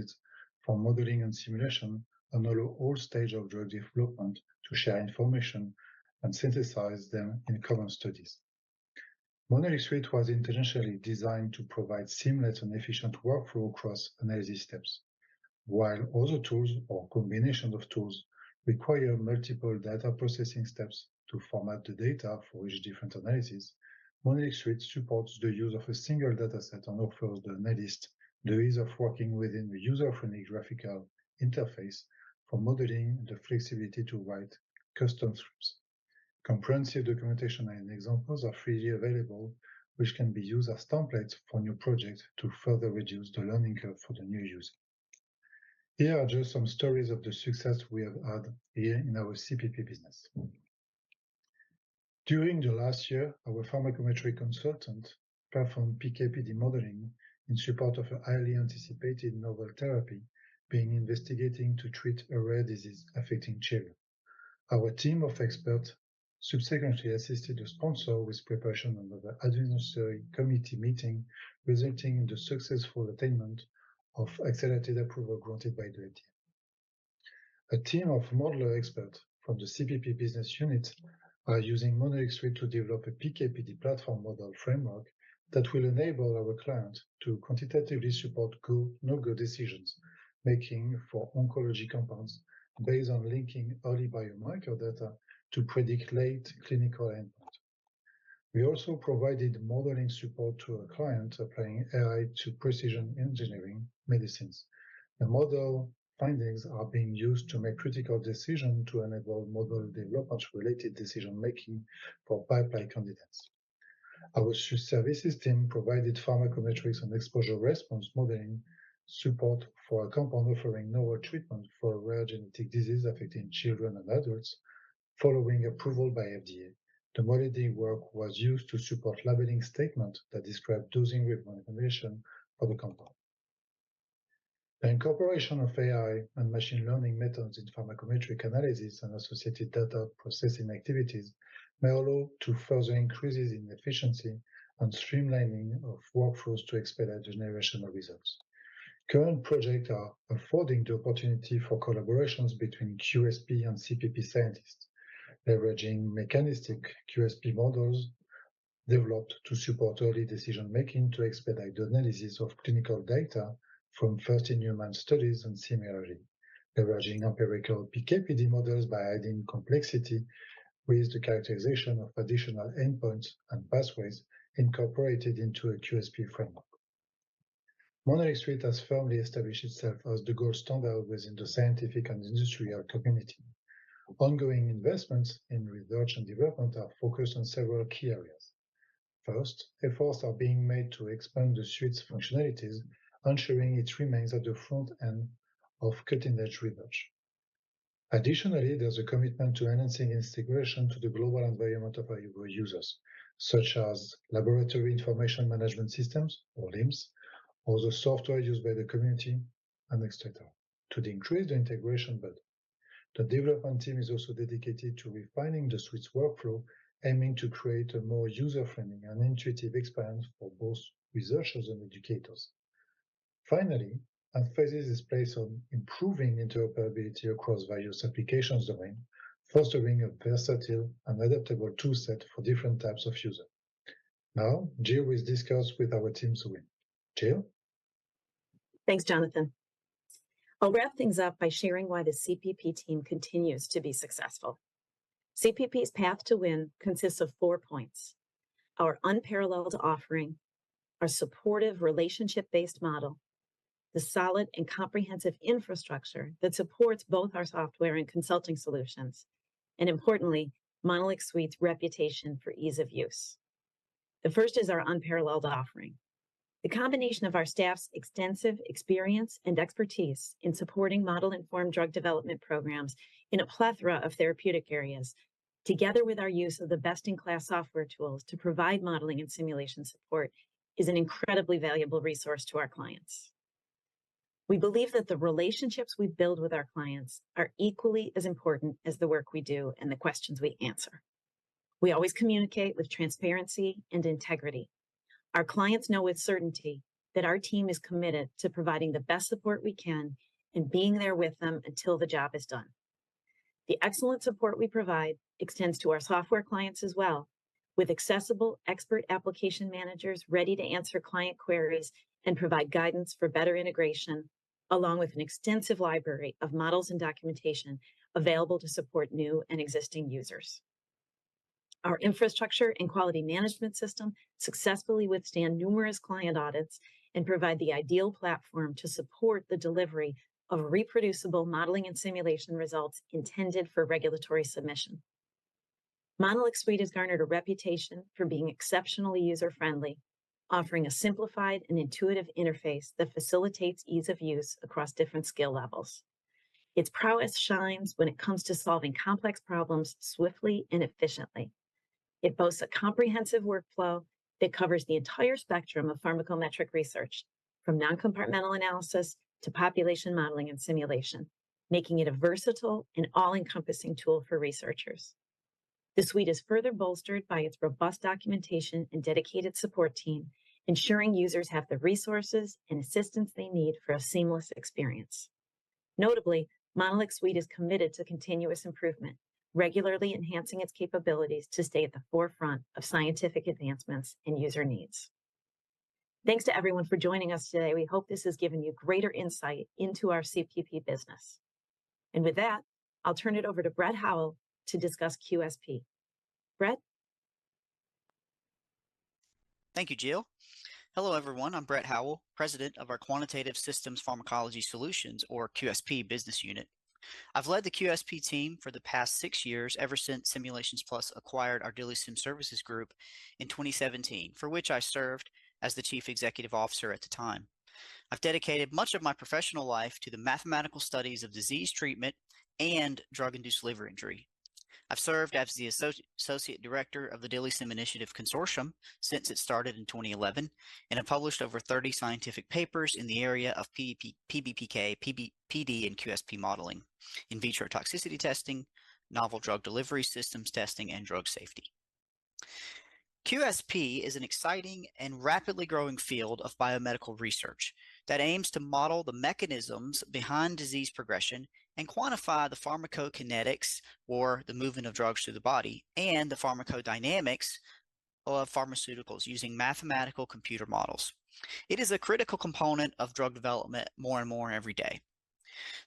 Speaker 6: for modeling and simulation, and allow all stages of drug development to share information and synthesize them in common studies. MonolixSuite was intentionally designed to provide seamless and efficient workflow across analysis steps. While other tools or combination of tools require multiple data processing steps to format the data for each different analysis, MonolixSuite supports the use of a single dataset and offers the analyst the ease of working within the user-friendly graphical interface for modeling the flexibility to write custom scripts. Comprehensive documentation and examples are freely available, which can be used as templates for new projects to further reduce the learning curve for the new user. Here are just some stories of the success we have had here in our CPP business. During the last year, our pharmacometric consultant performed PK/PD modeling in support of a highly anticipated novel therapy being investigating to treat a rare disease affecting children. Our team of experts subsequently assisted the sponsor with preparation under the advisory committee meeting, resulting in the successful attainment of accelerated approval granted by the FDA. A team of modeling experts from the CPP business unit are using MonolixSuite to develop a PK/PD platform model framework that will enable our client to quantitatively support go/no-go decision-making for oncology compounds based on linking early biomarker data to predict late clinical endpoint. We also provided modeling support to a client applying AI to precision-engineered medicines. The model findings are being used to make critical decisions to enable model development-related decision-making for pipeline candidates. Our services team provided pharmacometrics and exposure-response modeling support for a compound offering novel treatment for a rare genetic disease affecting children and adults, following approval by FDA. The modeling work was used to support labeling statements that described dosing recommendations for the compound. The incorporation of AI and machine learning methods in pharmacometric analysis and associated data processing activities may allow for further increases in efficiency and streamlining of workflows to expedite generation of results. Current projects are affording the opportunity for collaborations between QSP and CPP scientists, leveraging mechanistic QSP models developed to support early decision-making, to expedite the analysis of clinical data from first-in-human studies, and similarly, leveraging empirical PK/PD models by adding complexity with the characterization of additional endpoints and pathways incorporated into a QSP framework. MonolixSuite has firmly established itself as the gold standard within the scientific and industrial community. Ongoing investments in research and development are focused on several key areas. First, efforts are being made to expand the suite's functionalities, ensuring it remains at the forefront of cutting-edge research. Additionally, there's a commitment to enhancing integration to the global environment of our users, such as laboratory information management systems or LIMS, other software used by the community, and et cetera, to increase the integration build. The development team is also dedicated to refining the suite's workflow, aiming to create a more user-friendly and intuitive experience for both researchers and educators. Finally, emphasis is placed on improving interoperability across various applications domain, fostering a versatile and adaptable toolset for different types of user. Now, Jill will discuss with our teams to win. Jill?
Speaker 5: Thanks, Jonathan. I'll wrap things up by sharing why the CPP team continues to be successful. CPP's path to win consists of four points: our unparalleled offering, our supportive relationship-based model, the solid and comprehensive infrastructure that supports both our software and consulting solutions, and importantly, MonolixSuite's reputation for ease of use. The first is our unparalleled offering. The combination of our staff's extensive experience and expertise in supporting model-informed drug development programs in a plethora of therapeutic areas, together with our use of the best-in-class software tools to provide modeling and simulation support, is an incredibly valuable resource to our clients. We believe that the relationships we build with our clients are equally as important as the work we do and the questions we answer. We always communicate with transparency and integrity. Our clients know with certainty that our team is committed to providing the best support we can and being there with them until the job is done. The excellent support we provide extends to our software clients as well, with accessible expert application managers ready to answer client queries and provide guidance for better integration, along with an extensive library of models and documentation available to support new and existing users. Our infrastructure and quality management system successfully withstand numerous client audits and provide the ideal platform to support the delivery of reproducible modeling and simulation results intended for regulatory submission. MonolixSuite has garnered a reputation for being exceptionally user-friendly, offering a simplified and intuitive interface that facilitates ease of use across different skill levels. Its prowess shines when it comes to solving complex problems swiftly and efficiently. It boasts a comprehensive workflow that covers the entire spectrum of pharmacometric research, from non-compartmental analysis to population modeling and simulation, making it a versatile and all-encompassing tool for researchers. The suite is further bolstered by its robust documentation and dedicated support team, ensuring users have the resources and assistance they need for a seamless experience. Notably, MonolixSuite is committed to continuous improvement, regularly enhancing its capabilities to stay at the forefront of scientific advancements and user needs. Thanks to everyone for joining us today. We hope this has given you greater insight into our CPP business. With that, I'll turn it over to Brett Howell to discuss QSP. Brett?
Speaker 7: Thank you, Jill. Hello, everyone. I'm Brett Howell, president of our Quantitative Systems Pharmacology Solutions, or QSP, business unit. I've led the QSP team for the past 6 years, ever since Simulations Plus acquired our DILIsym Services group in 2017, for which I served as the Chief Executive Officer at the time. I've dedicated much of my professional life to the mathematical studies of disease treatment and drug-induced liver injury. I've served as the Associate Director of the DILIsym Initiative Consortium since it started in 2011, and have published over 30 scientific papers in the area of PK, PBPK, PK, PD and QSP modeling, in vitro toxicity testing, novel drug delivery systems testing, and drug safety. QSP is an exciting and rapidly growing field of biomedical research that aims to model the mechanisms behind disease progression and quantify the pharmacokinetics, or the movement of drugs through the body, and the pharmacodynamics of pharmaceuticals using mathematical computer models. It is a critical component of drug development more and more every day.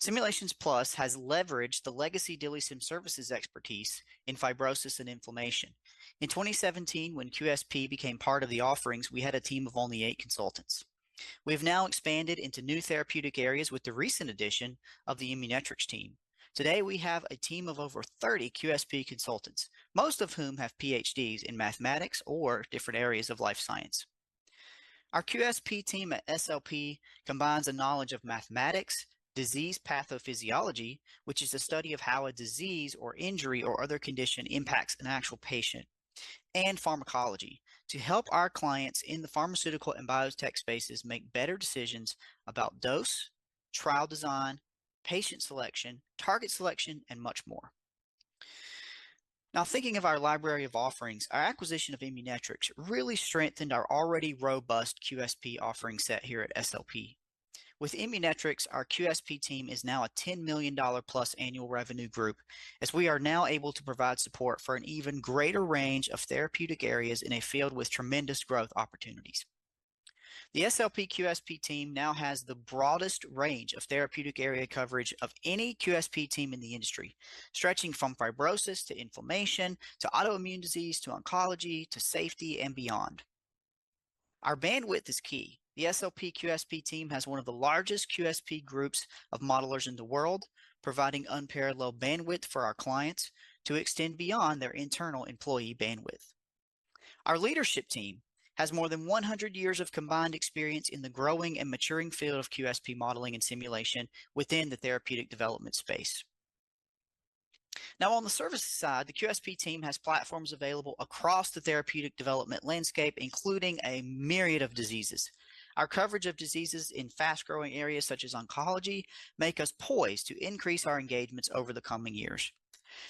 Speaker 7: Simulations Plus has leveraged the legacy DILIsym Services expertise in fibrosis and inflammation. In 2017, when QSP became part of the offerings, we had a team of only eight consultants. We've now expanded into new therapeutic areas with the recent addition of the Immunetrics team. Today, we have a team of over 30 QSP consultants, most of whom have PhDs in mathematics or different areas of life science. Our QSP team at SLP combines a knowledge of mathematics, disease pathophysiology, which is the study of how a disease or injury or other condition impacts an actual patient, and pharmacology to help our clients in the pharmaceutical and biotech spaces make better decisions about dose, trial design, patient selection, target selection, and much more. Now, thinking of our library of offerings, our acquisition of Immunetrics really strengthened our already robust QSP offering set here at SLP. With Immunetrics, our QSP team is now a $10 million-plus annual revenue group, as we are now able to provide support for an even greater range of therapeutic areas in a field with tremendous growth opportunities. The SLP QSP team now has the broadest range of therapeutic area coverage of any QSP team in the industry, stretching from fibrosis to inflammation, to autoimmune disease, to oncology, to safety, and beyond. Our bandwidth is key. The SLP QSP team has one of the largest QSP groups of modelers in the world, providing unparalleled bandwidth for our clients to extend beyond their internal employee bandwidth. Our leadership team has more than 100 years of combined experience in the growing and maturing field of QSP modeling and simulation within the therapeutic development space. Now, on the services side, the QSP team has platforms available across the therapeutic development landscape, including a myriad of diseases. Our coverage of diseases in fast-growing areas such as oncology, make us poised to increase our engagements over the coming years.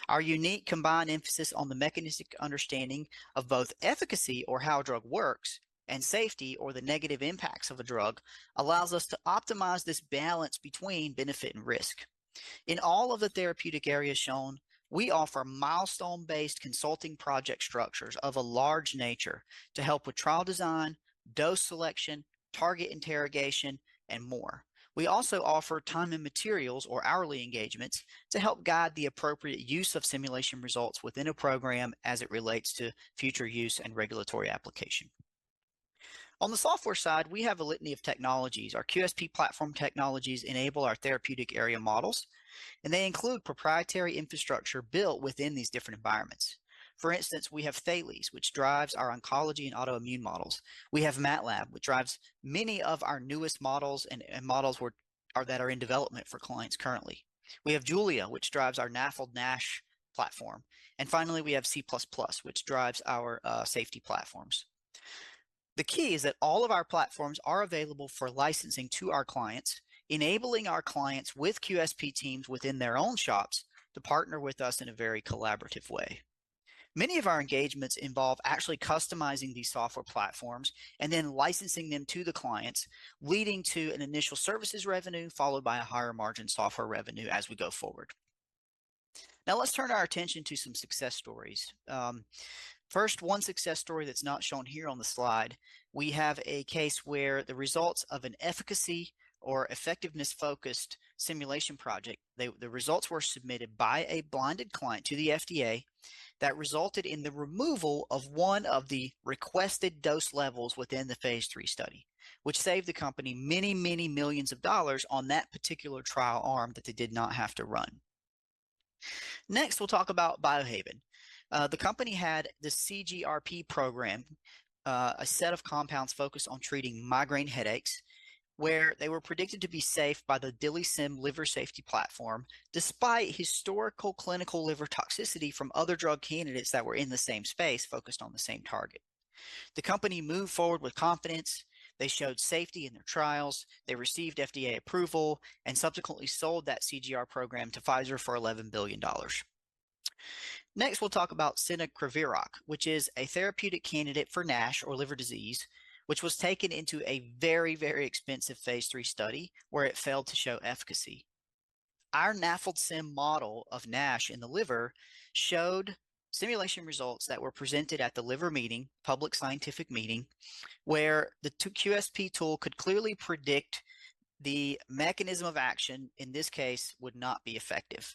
Speaker 7: Our unique combined emphasis on the mechanistic understanding of both efficacy, or how a drug works, and safety, or the negative impacts of a drug, allows us to optimize this balance between benefit and risk. In all of the therapeutic areas shown, we offer milestone-based consulting project structures of a large nature to help with trial design, dose selection, target interrogation, and more. We also offer time and materials or hourly engagements to help guide the appropriate use of simulation results within a program as it relates to future use and regulatory application. On the software side, we have a litany of technologies. Our QSP platform technologies enable our therapeutic area models, and they include proprietary infrastructure built within these different environments. For instance, we have Thales, which drives our oncology and autoimmune models. We have MATLAB, which drives many of our newest models and models that are in development for clients currently. We have Julia, which drives our NAFLD/NASH platform. And finally, we have C++, which drives our safety platforms. The key is that all of our platforms are available for licensing to our clients, enabling our clients with QSP teams within their own shops to partner with us in a very collaborative way. Many of our engagements involve actually customizing these software platforms and then licensing them to the clients, leading to an initial services revenue, followed by a higher margin software revenue as we go forward. Now, let's turn our attention to some success stories. First, one success story that's not shown here on the slide, we have a case where the results of an efficacy or effectiveness-focused simulation project, the results were submitted by a blinded client to the FDA that resulted in the removal of one of the requested dose levels within the phase III study, which saved the company $ many millions on that particular trial arm that they did not have to run. Next, we'll talk about Biohaven. The company had the CGRP program, a set of compounds focused on treating migraine headaches, where they were predicted to be safe by the DILIsym liver safety platform, despite historical clinical liver toxicity from other drug candidates that were in the same space, focused on the same target. The company moved forward with confidence. They showed safety in their trials. They received FDA approval and subsequently sold that CGRP program to Pfizer for $11 billion. Next, we'll talk about Cenicriviroc, which is a therapeutic candidate for NASH or liver disease, which was taken into a very, very expensive phase III study, where it failed to show efficacy. Our NAFLDsym model of NASH in the liver showed simulation results that were presented at The Liver Meeting, public scientific meeting, where that QSP tool could clearly predict the mechanism of action, in this case, would not be effective.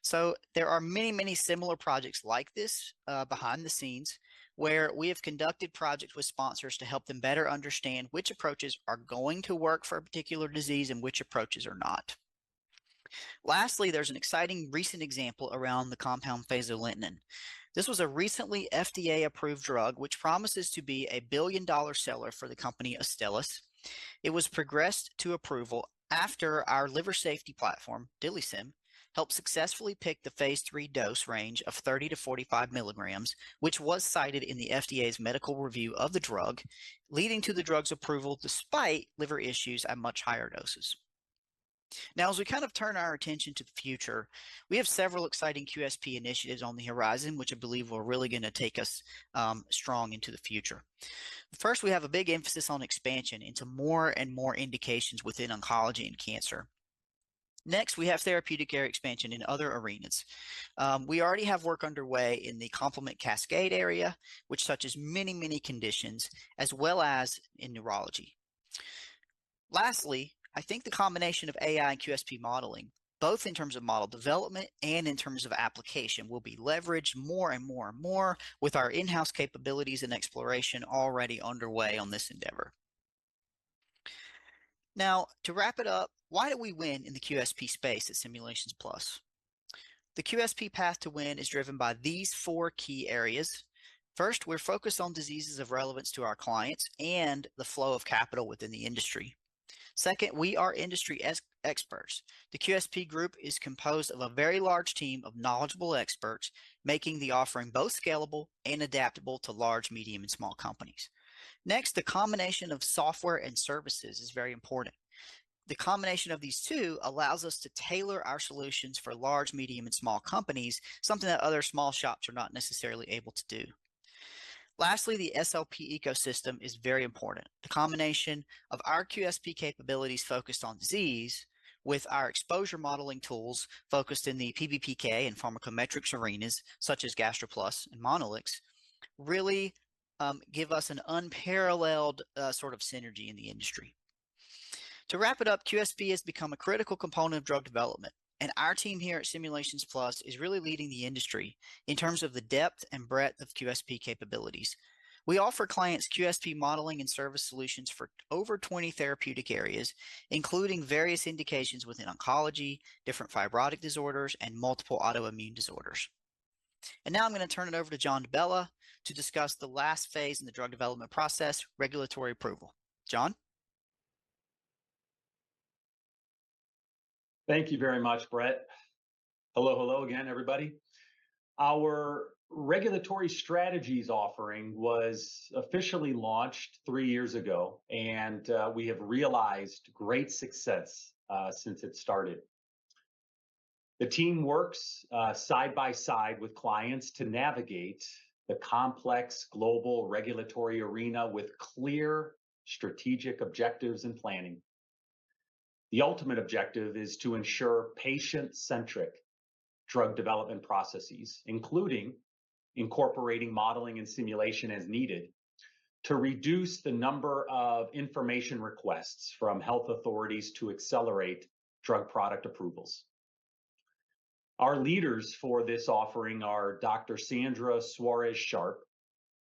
Speaker 7: So there are many, many similar projects like this behind the scenes, where we have conducted projects with sponsors to help them better understand which approaches are going to work for a particular disease and which approaches are not. Lastly, there's an exciting recent example around the compound fezolinetant. This was a recently FDA-approved drug, which promises to be a billion-dollar seller for the company Astellas. It was progressed to approval after our liver safety platform, DILIsym, helped successfully pick the phase III dose range of 30-45 mgs, which was cited in the FDA's medical review of the drug, leading to the drug's approval despite liver issues at much higher doses. Now, as we kind of turn our attention to the future, we have several exciting QSP initiatives on the horizon, which I believe are really gonna take us strong into the future. First, we have a big emphasis on expansion into more and more indications within oncology and cancer. Next, we have therapeutic area expansion in other arenas. We already have work underway in the complement cascade area, which touches many, many conditions, as well as in neurology. Lastly, I think the combination of AI and QSP modeling, both in terms of model development and in terms of application, will be leveraged more and more and more with our in-house capabilities and exploration already underway on this endeavor. Now, to wrap it up, why do we win in the QSP space at Simulations Plus? The QSP path to win is driven by these four key areas. First, we're focused on diseases of relevance to our clients and the flow of capital within the industry. Second, we are industry experts. The QSP group is composed of a very large team of knowledgeable experts, making the offering both scalable and adaptable to large, medium, and small companies. Next, the combination of software and services is very important. The combination of these two allows us to tailor our solutions for large, medium, and small companies, something that other small shops are not necessarily able to do. Lastly, the SLP ecosystem is very important. The combination of our QSP capabilities focused on disease, with our exposure modeling tools focused in the PBPK and pharmacometrics arenas, such as GastroPlus and Monolix, really, give us an unparalleled, sort of synergy in the industry. To wrap it up, QSP has become a critical component of drug development, and our team here at Simulations Plus is really leading the industry in terms of the depth and breadth of QSP capabilities. We offer clients QSP modeling and service solutions for over 20 therapeutic areas, including various indications within oncology, different fibrotic disorders, and multiple autoimmune disorders. Now I'm gonna turn it over to John DiBella to discuss the last phase in the drug development process, regulatory approval. John?
Speaker 4: Thank you very much, Brett. Hello, hello again, everybody. Our Regulatory Strategies offering was officially launched three years ago, and we have realized great success since it started. The team works side by side with clients to navigate the complex global regulatory arena with clear strategic objectives and planning. The ultimate objective is to ensure patient-centric drug development processes, including incorporating modeling and simulation as needed, to reduce the number of information requests from health authorities to accelerate drug product approvals. Our leaders for this offering are Dr. Sandra Suarez-Sharp,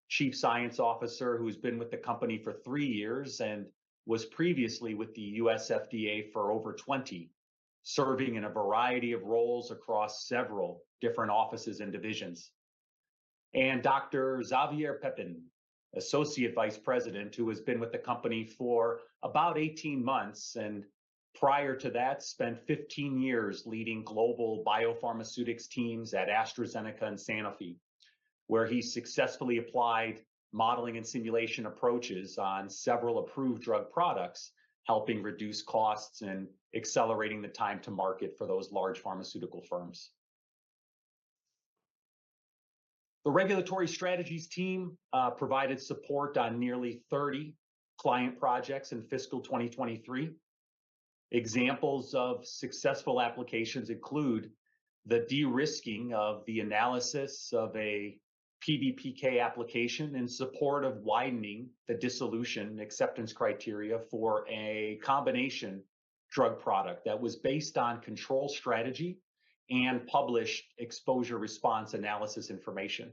Speaker 4: Chief Science Officer, who's been with the company for three years and was previously with the U.S. FDA for over 20, serving in a variety of roles across several different offices and divisions. And Dr. Xavier Pepin, Associate Vice President, who has been with the company for about 18 months, and prior to that, spent 15 years leading global biopharmaceutics teams at AstraZeneca and Sanofi, where he successfully applied modeling and simulation approaches on several approved drug products, helping reduce costs and accelerating the time to market for those large pharmaceutical firms. The Regulatory Strategies team provided support on nearly 30 client projects in fiscal 2023. Examples of successful applications include the de-risking of the analysis of a PBPK application in support of widening the dissolution acceptance criteria for a combination drug product that was based on control strategy and published exposure response analysis information.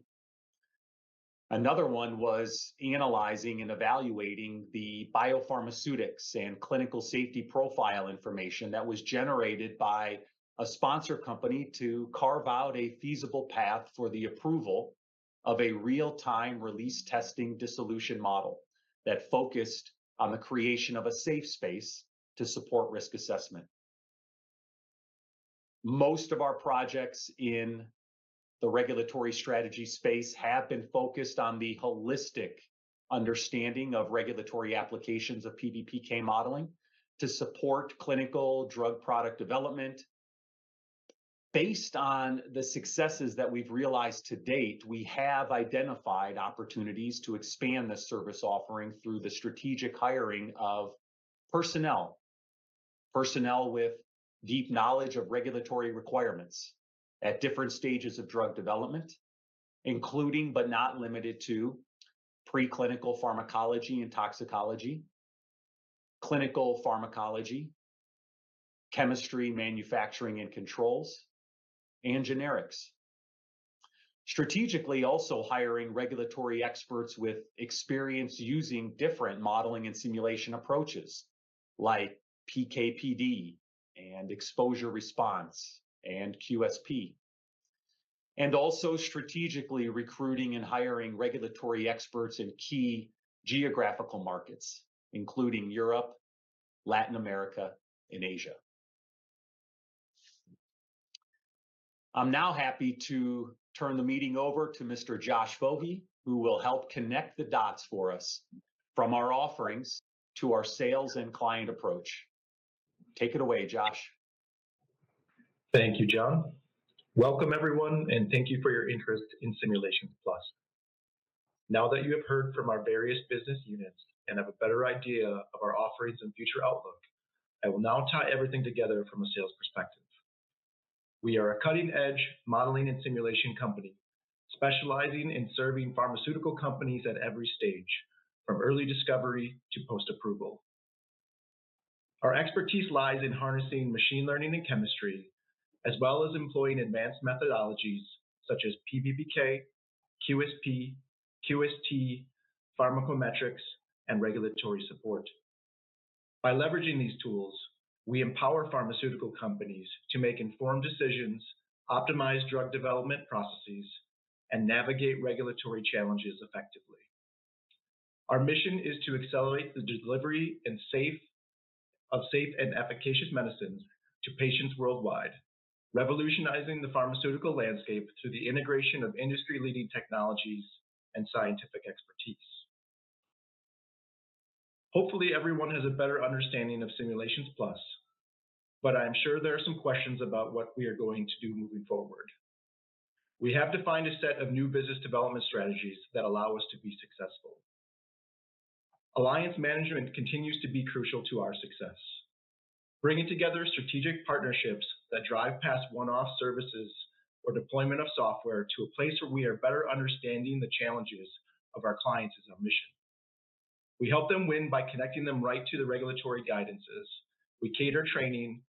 Speaker 4: Another one was analyzing and evaluating the biopharmaceutics and clinical safety profile information that was generated by a sponsor company to carve out a feasible path for the approval of a real-time release testing dissolution model that focused on the creation of a safe space to support risk assessment. Most of our projects in the regulatory strategy space have been focused on the holistic understanding of regulatory applications of PBPK modeling to support clinical drug product development. Based on the successes that we've realized to date, we have identified opportunities to expand this service offering through the strategic hiring of personnel. Personnel with deep knowledge of regulatory requirements at different stages of drug development, including, but not limited to, preclinical pharmacology and toxicology, clinical pharmacology, Chemistry, Manufacturing, and Controls, and generics. Strategically, also hiring regulatory experts with experience using different modeling and simulation approaches, like PK/PD, and exposure response, and QSP. Also strategically recruiting and hiring regulatory experts in key geographical markets, including Europe, Latin America, and Asia. I'm now happy to turn the meeting over to Mr. Josh Fowler, who will help connect the dots for us from our offerings to our sales and client approach. Take it away, Josh.
Speaker 8: Thank you, John. Welcome, everyone, and thank you for your interest in Simulations Plus. Now that you have heard from our various business units and have a better idea of our offerings and future outlook, I will now tie everything together from a sales perspective. We are a cutting-edge modeling and simulation company, specializing in serving pharmaceutical companies at every stage, from early discovery to post-approval. Our expertise lies in harnessing machine learning and chemistry, as well as employing advanced methodologies such as PBPK, QSP, QST, pharmacometrics, and regulatory support. By leveraging these tools, we empower pharmaceutical companies to make informed decisions, optimize drug development processes, and navigate regulatory challenges effectively. Our mission is to accelerate the delivery of safe and efficacious medicines to patients worldwide, revolutionizing the pharmaceutical landscape through the integration of industry-leading technologies and scientific expertise. Hopefully, everyone has a better understanding of Simulations Plus, but I am sure there are some questions about what we are going to do moving forward. We have defined a set of new business development strategies that allow us to be successful. Alliance management continues to be crucial to our success. Bringing together strategic partnerships that drive past one-off services or deployment of software to a place where we are better understanding the challenges of our clients, is our mission. We help them win by connecting them right to the regulatory guidances. We cater training,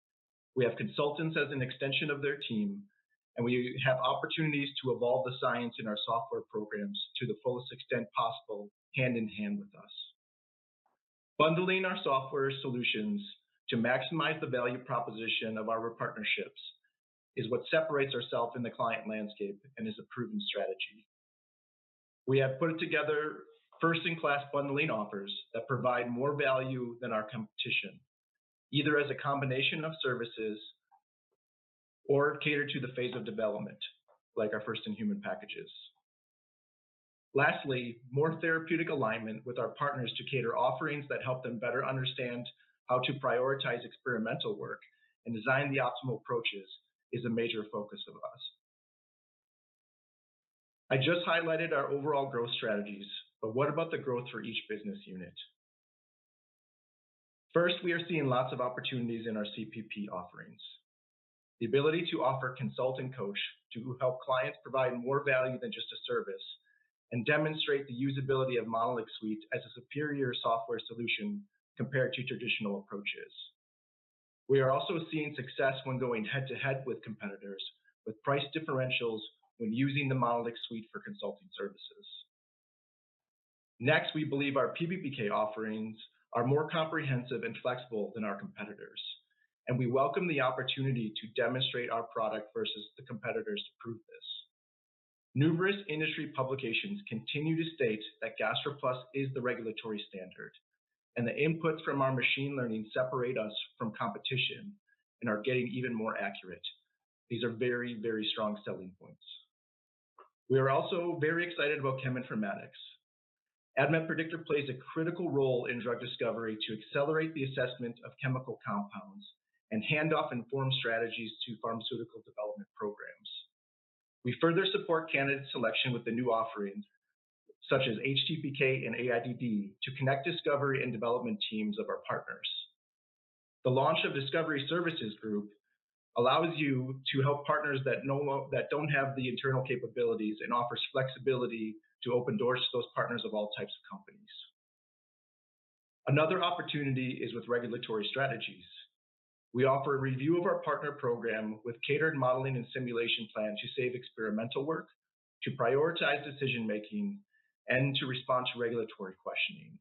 Speaker 8: we have consultants as an extension of their team, and we have opportunities to evolve the science in our software programs to the fullest extent possible, hand in hand with us. Bundling our software solutions to maximize the value proposition of our partnerships is what separates ourselves in the client landscape and is a proven strategy. We have put together first-in-class bundling offers that provide more value than our competition, either as a combination of services or cater to the phase of development, like our first-in-human packages. Lastly, more therapeutic alignment with our partners to cater offerings that help them better understand how to prioritize experimental work and design the optimal approaches is a major focus of us. I just highlighted our overall growth strategies, but what about the growth for each business unit? First, we are seeing lots of opportunities in our CPP offerings. The ability to offer consult and coach to help clients provide more value than just a service, and demonstrate the usability of MonolixSuite as a superior software solution compared to traditional approaches. We are also seeing success when going head-to-head with competitors, with price differentials when using the MonolixSuite for consulting services. Next, we believe our PBPK offerings are more comprehensive and flexible than our competitors, and we welcome the opportunity to demonstrate our product versus the competitors to prove this. Numerous industry publications continue to state that GastroPlus is the regulatory standard. And the inputs from our machine learning separate us from competition and are getting even more accurate. These are very, very strong selling points. We are also very excited about cheminformatics. ADMET Predictor plays a critical role in drug discovery to accelerate the assessment of chemical compounds, and hand off informed strategies to pharmaceutical development programs. We further support candidate selection with the new offerings, such as HTPK and AIDD, to connect discovery and development teams of our partners. The launch of Discovery Services Group allows you to help partners that don't have the internal capabilities, and offers flexibility to open doors to those partners of all types of companies. Another opportunity is with Regulatory Strategies. We offer a review of our partner program with catered modeling and simulation plan to save experimental work, to prioritize decision making, and to respond to regulatory questioning.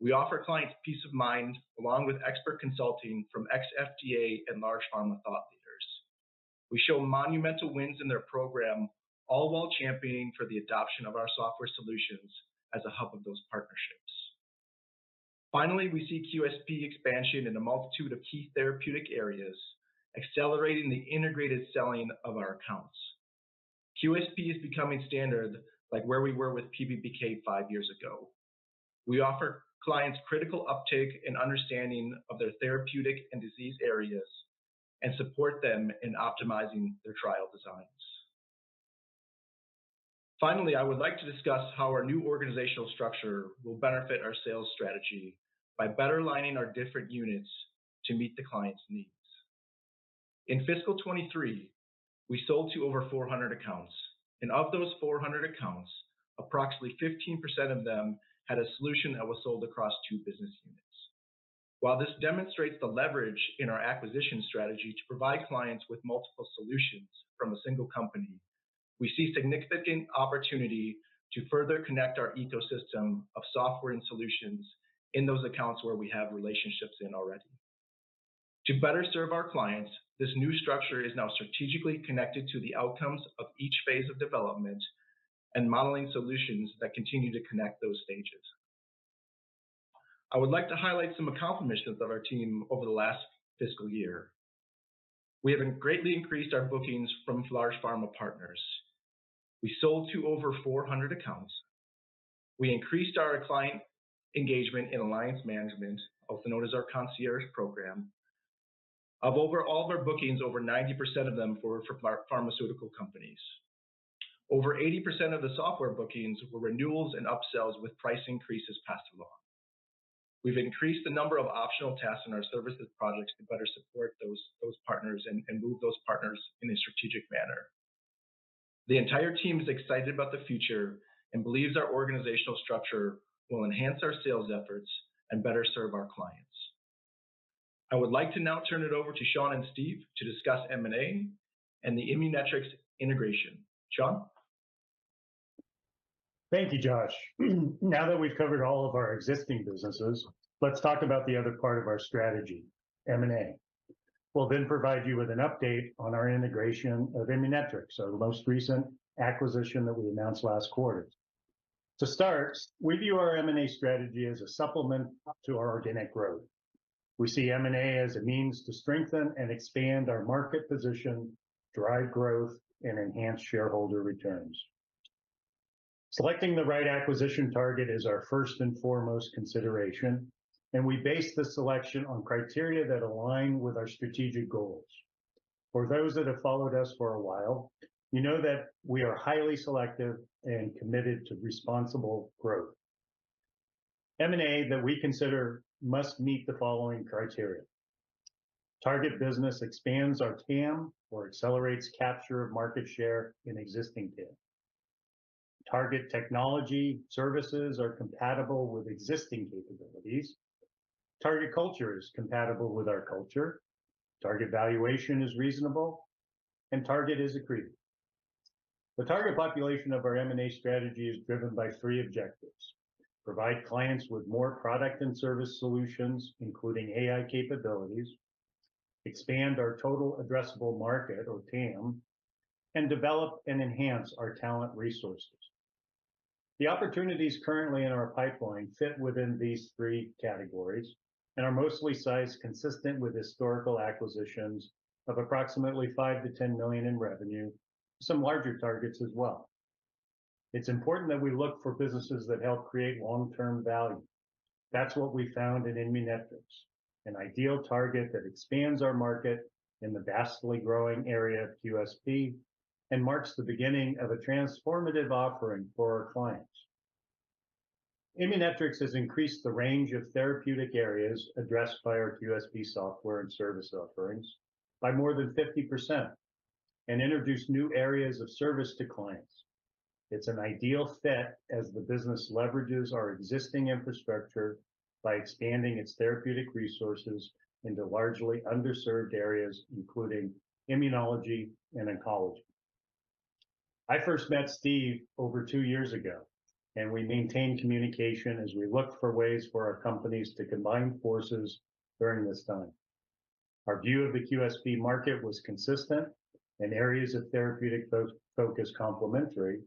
Speaker 8: We offer clients peace of mind, along with expert consulting from ex-FDA and large pharma thought leaders. We show monumental wins in their program, all while championing for the adoption of our software solutions as a hub of those partnerships. Finally, we see QSP expansion in a multitude of key therapeutic areas, accelerating the integrated selling of our accounts. QSP is becoming standard, like where we were with PBPK five years ago. We offer clients critical uptake and understanding of their therapeutic and disease areas, and support them in optimizing their trial designs. Finally, I would like to discuss how our new organizational structure will benefit our sales strategy by better aligning our different units to meet the clients' needs. In fiscal 2023, we sold to over 400 accounts, and of those 400 accounts, approximately 15% of them had a solution that was sold across two business units. While this demonstrates the leverage in our acquisition strategy to provide clients with multiple solutions from a single company, we see significant opportunity to further connect our ecosystem of software and solutions in those accounts where we have relationships in already. To better serve our clients, this new structure is now strategically connected to the outcomes of each phase of development and modeling solutions that continue to connect those stages. I would like to highlight some accomplishments of our team over the last fiscal year. We have greatly increased our bookings from large pharma partners. We sold to over 400 accounts. We increased our client engagement and alliance management, also known as our Concierge Program. Overall, over 90% of our bookings were for pharmaceutical companies. Over 80% of the software bookings were renewals and upsells, with price increases passed along. We've increased the number of optional tasks in our services projects to better support those partners and move those partners in a strategic manner. The entire team is excited about the future and believes our organizational structure will enhance our sales efforts and better serve our clients. I would like to now turn it over to Shawn and Steve to discuss M&A and the Immunetrics integration. Shawn?
Speaker 2: Thank you, Josh. Now that we've covered all of our existing businesses, let's talk about the other part of our strategy, M&A. We'll then provide you with an update on our integration of Immunetrics, our most recent acquisition that we announced last quarter. To start, we view our M&A strategy as a supplement to our organic growth. We see M&A as a means to strengthen and expand our market position, drive growth, and enhance shareholder returns. Selecting the right acquisition target is our first and foremost consideration, and we base the selection on criteria that align with our strategic goals. For those that have followed us for a while, you know that we are highly selective and committed to responsible growth. M&A that we consider must meet the following criteria: target business expands our TAM or accelerates capture of market share in existing TAM. Target technology services are compatible with existing capabilities. Target culture is compatible with our culture. Target valuation is reasonable, and target is agreeable. The target population of our M&A strategy is driven by three objectives: provide clients with more product and service solutions, including AI capabilities, expand our total addressable market, or TAM, and develop and enhance our talent resources. The opportunities currently in our pipeline fit within these three categories and are mostly sized consistent with historical acquisitions of approximately $5 million-$10 million in revenue, some larger targets as well. It's important that we look for businesses that help create long-term value. That's what we found in Immunetrics, an ideal target that expands our market in the vastly growing area of QSP, and marks the beginning of a transformative offering for our clients. Immunetrics has increased the range of therapeutic areas addressed by our QSP software and service offerings by more than 50%, and introduced new areas of service to clients. It's an ideal fit as the business leverages our existing infrastructure by expanding its therapeutic resources into largely underserved areas, including immunology and oncology. I first met Steve over two years ago, and we maintained communication as we looked for ways for our companies to combine forces during this time. Our view of the QSP market was consistent, and areas of therapeutic focus complementary,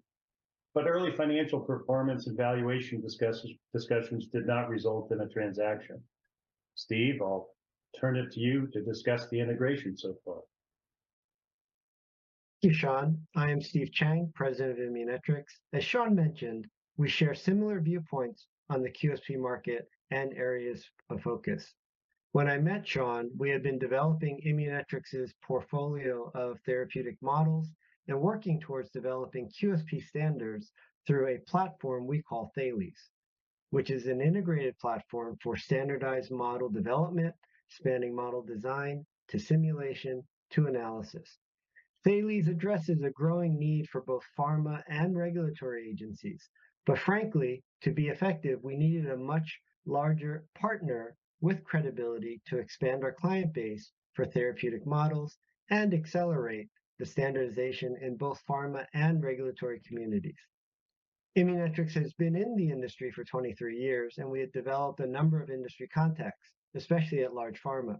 Speaker 2: but early financial performance evaluation discussions did not result in a transaction. Steve, I'll turn it to you to discuss the integration so far.
Speaker 9: Thank you, Shawn. I am Steven Chang, President of Immunetrics. As Shawn mentioned, we share similar viewpoints on the QSP market and areas of focus. When I met Shawn, we had been developing Immunetrics' portfolio of therapeutic models and working towards developing QSP standards through a platform we call Thales, which is an integrated platform for standardized model development, spanning model design to simulation to analysis. Thales addresses a growing need for both pharma and regulatory agencies, but frankly, to be effective, we needed a much larger partner with credibility to expand our client base for therapeutic models and accelerate the standardization in both pharma and regulatory communities. Immunetrics has been in the industry for 23 years, and we have developed a number of industry contacts, especially at large pharma.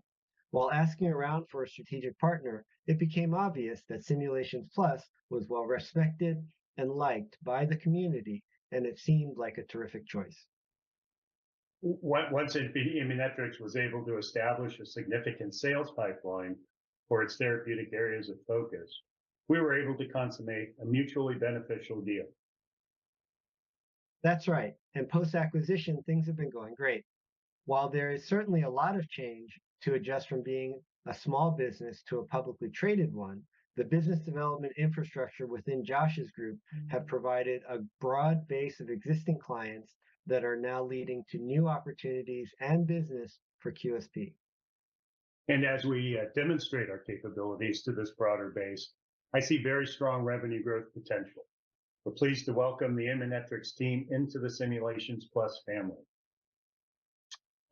Speaker 9: While asking around for a strategic partner, it became obvious that Simulations Plus was well respected and liked by the community, and it seemed like a terrific choice.
Speaker 2: Once, Immunetrics was able to establish a significant sales pipeline for its therapeutic areas of focus. We were able to consummate a mutually beneficial deal.
Speaker 9: That's right, and post-acquisition, things have been going great. While there is certainly a lot of change to adjust from being a small business to a publicly traded one, the business development infrastructure within Josh's group have provided a broad base of existing clients that are now leading to new opportunities and business for QSP.
Speaker 2: As we demonstrate our capabilities to this broader base, I see very strong revenue growth potential. We're pleased to welcome the Immunetrics team into the Simulations Plus family.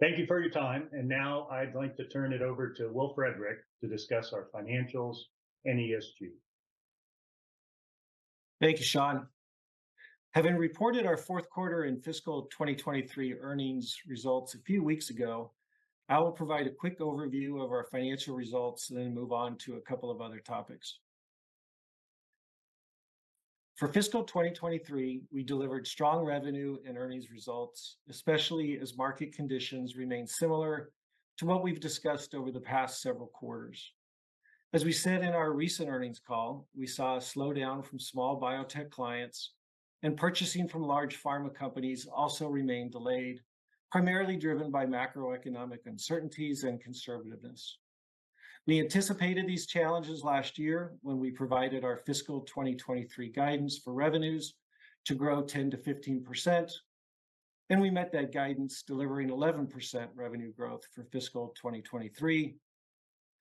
Speaker 2: Thank you for your time, and now I'd like to turn it over to Will Frederick to discuss our financials and ESG.
Speaker 10: Thank you, Shawn. Having reported our fourth quarter and fiscal 2023 earnings results a few weeks ago, I will provide a quick overview of our financial results and then move on to a couple of other topics. For fiscal 2023, we delivered strong revenue and earnings results, especially as market conditions remained similar to what we've discussed over the past several quarters. As we said in our recent earnings call, we saw a slowdown from small biotech clients, and purchasing from large pharma companies also remained delayed, primarily driven by macroeconomic uncertainties and conservativeness. We anticipated these challenges last year when we provided our fiscal 2023 guidance for revenues to grow 10%-15%, and we met that guidance, delivering 11% revenue growth for fiscal 2023,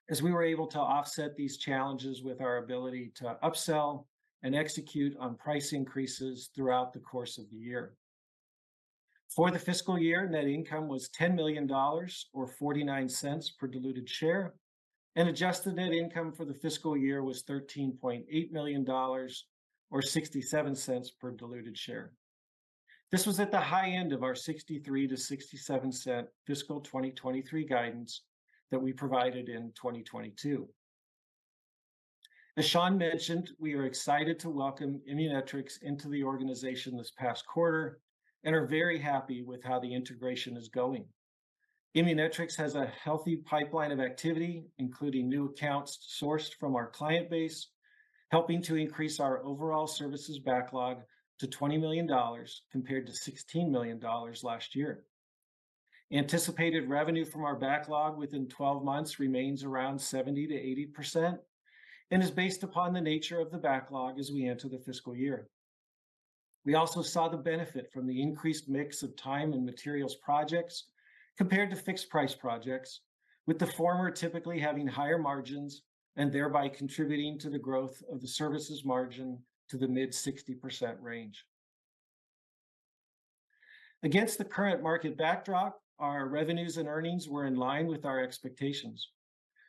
Speaker 10: as we were able to offset these challenges with our ability to upsell and execute on price increases throughout the course of the year. For the fiscal year, net income was $10 million or $0.49 per diluted share, and adjusted net income for the fiscal year was $13.8 million or $0.67 per diluted share. This was at the high end of our $0.63-$0.67 fiscal 2023 guidance that we provided in 2022. As Shawn mentioned, we are excited to welcome Immunetrics into the organization this past quarter and are very happy with how the integration is going. Immunetrics has a healthy pipeline of activity, including new accounts sourced from our client base, helping to increase our overall services backlog to $20 million, compared to $16 million last year. Anticipated revenue from our backlog within 12 months remains around 70%-80% and is based upon the nature of the backlog as we enter the fiscal year. We also saw the benefit from the increased mix of time and materials projects compared to fixed-price projects, with the former typically having higher margins and thereby contributing to the growth of the services margin to the mid-60% range. Against the current market backdrop, our revenues and earnings were in line with our expectations.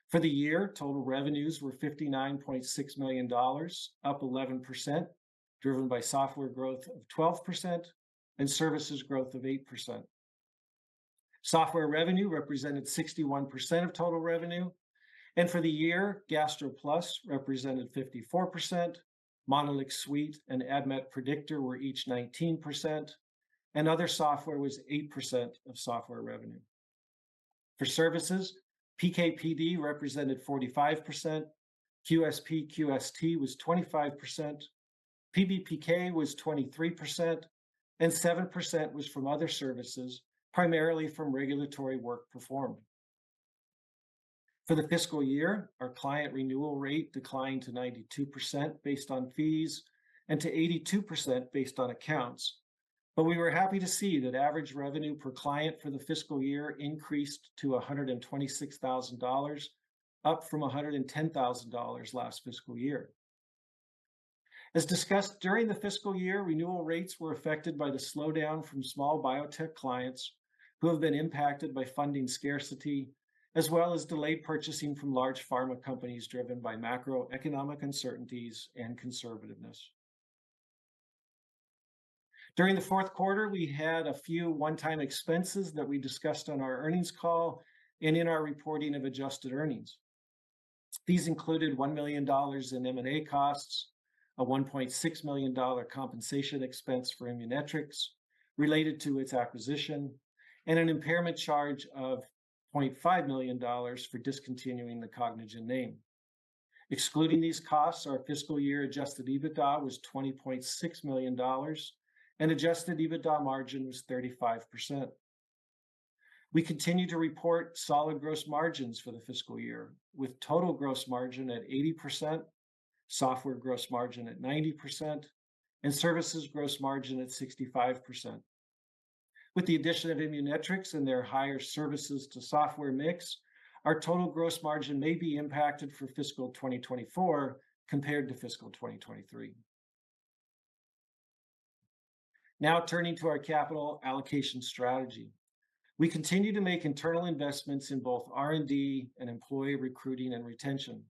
Speaker 10: For the year, total revenues were $59.6 million, up 11%, driven by software growth of 12% and services growth of 8%. Software revenue represented 61% of total revenue, and for the year, GastroPlus represented 54%, MonolixSuite and ADMET Predictor were each 19%, and other software was 8% of software revenue. For services, PK/PD represented 45%, QSP/QST was 25%, PBPK was 23%, and 7% was from other services, primarily from regulatory work performed. For the fiscal year, our client renewal rate declined to 92% based on fees and to 82% based on accounts. But we were happy to see that average revenue per client for the fiscal year increased to $126,000, up from $110,000 last fiscal year. As discussed during the fiscal year, renewal rates were affected by the slowdown from small biotech clients who have been impacted by funding scarcity, as well as delayed purchasing from large pharma companies driven by macroeconomic uncertainties and conservativeness. During the fourth quarter, we had a few one-time expenses that we discussed on our earnings call and in our reporting of adjusted earnings. These included $1 million in M&A costs, a $1.6 million compensation expense for Immunetrics related to its acquisition, and an impairment charge of $25 million for discontinuing the Cognigen name. Excluding these costs, our fiscal year adjusted EBITDA was $20.6 million, and adjusted EBITDA margin was 35%. We continue to report solid gross margins for the fiscal year, with total gross margin at 80%, software gross margin at 90%, and services gross margin at 65%. With the addition of Immunetrics and their higher services to software mix, our total gross margin may be impacted for fiscal 2024 compared to fiscal 2023. Now, turning to our capital allocation strategy. We continue to make internal investments in both R&D and employee recruiting and retention.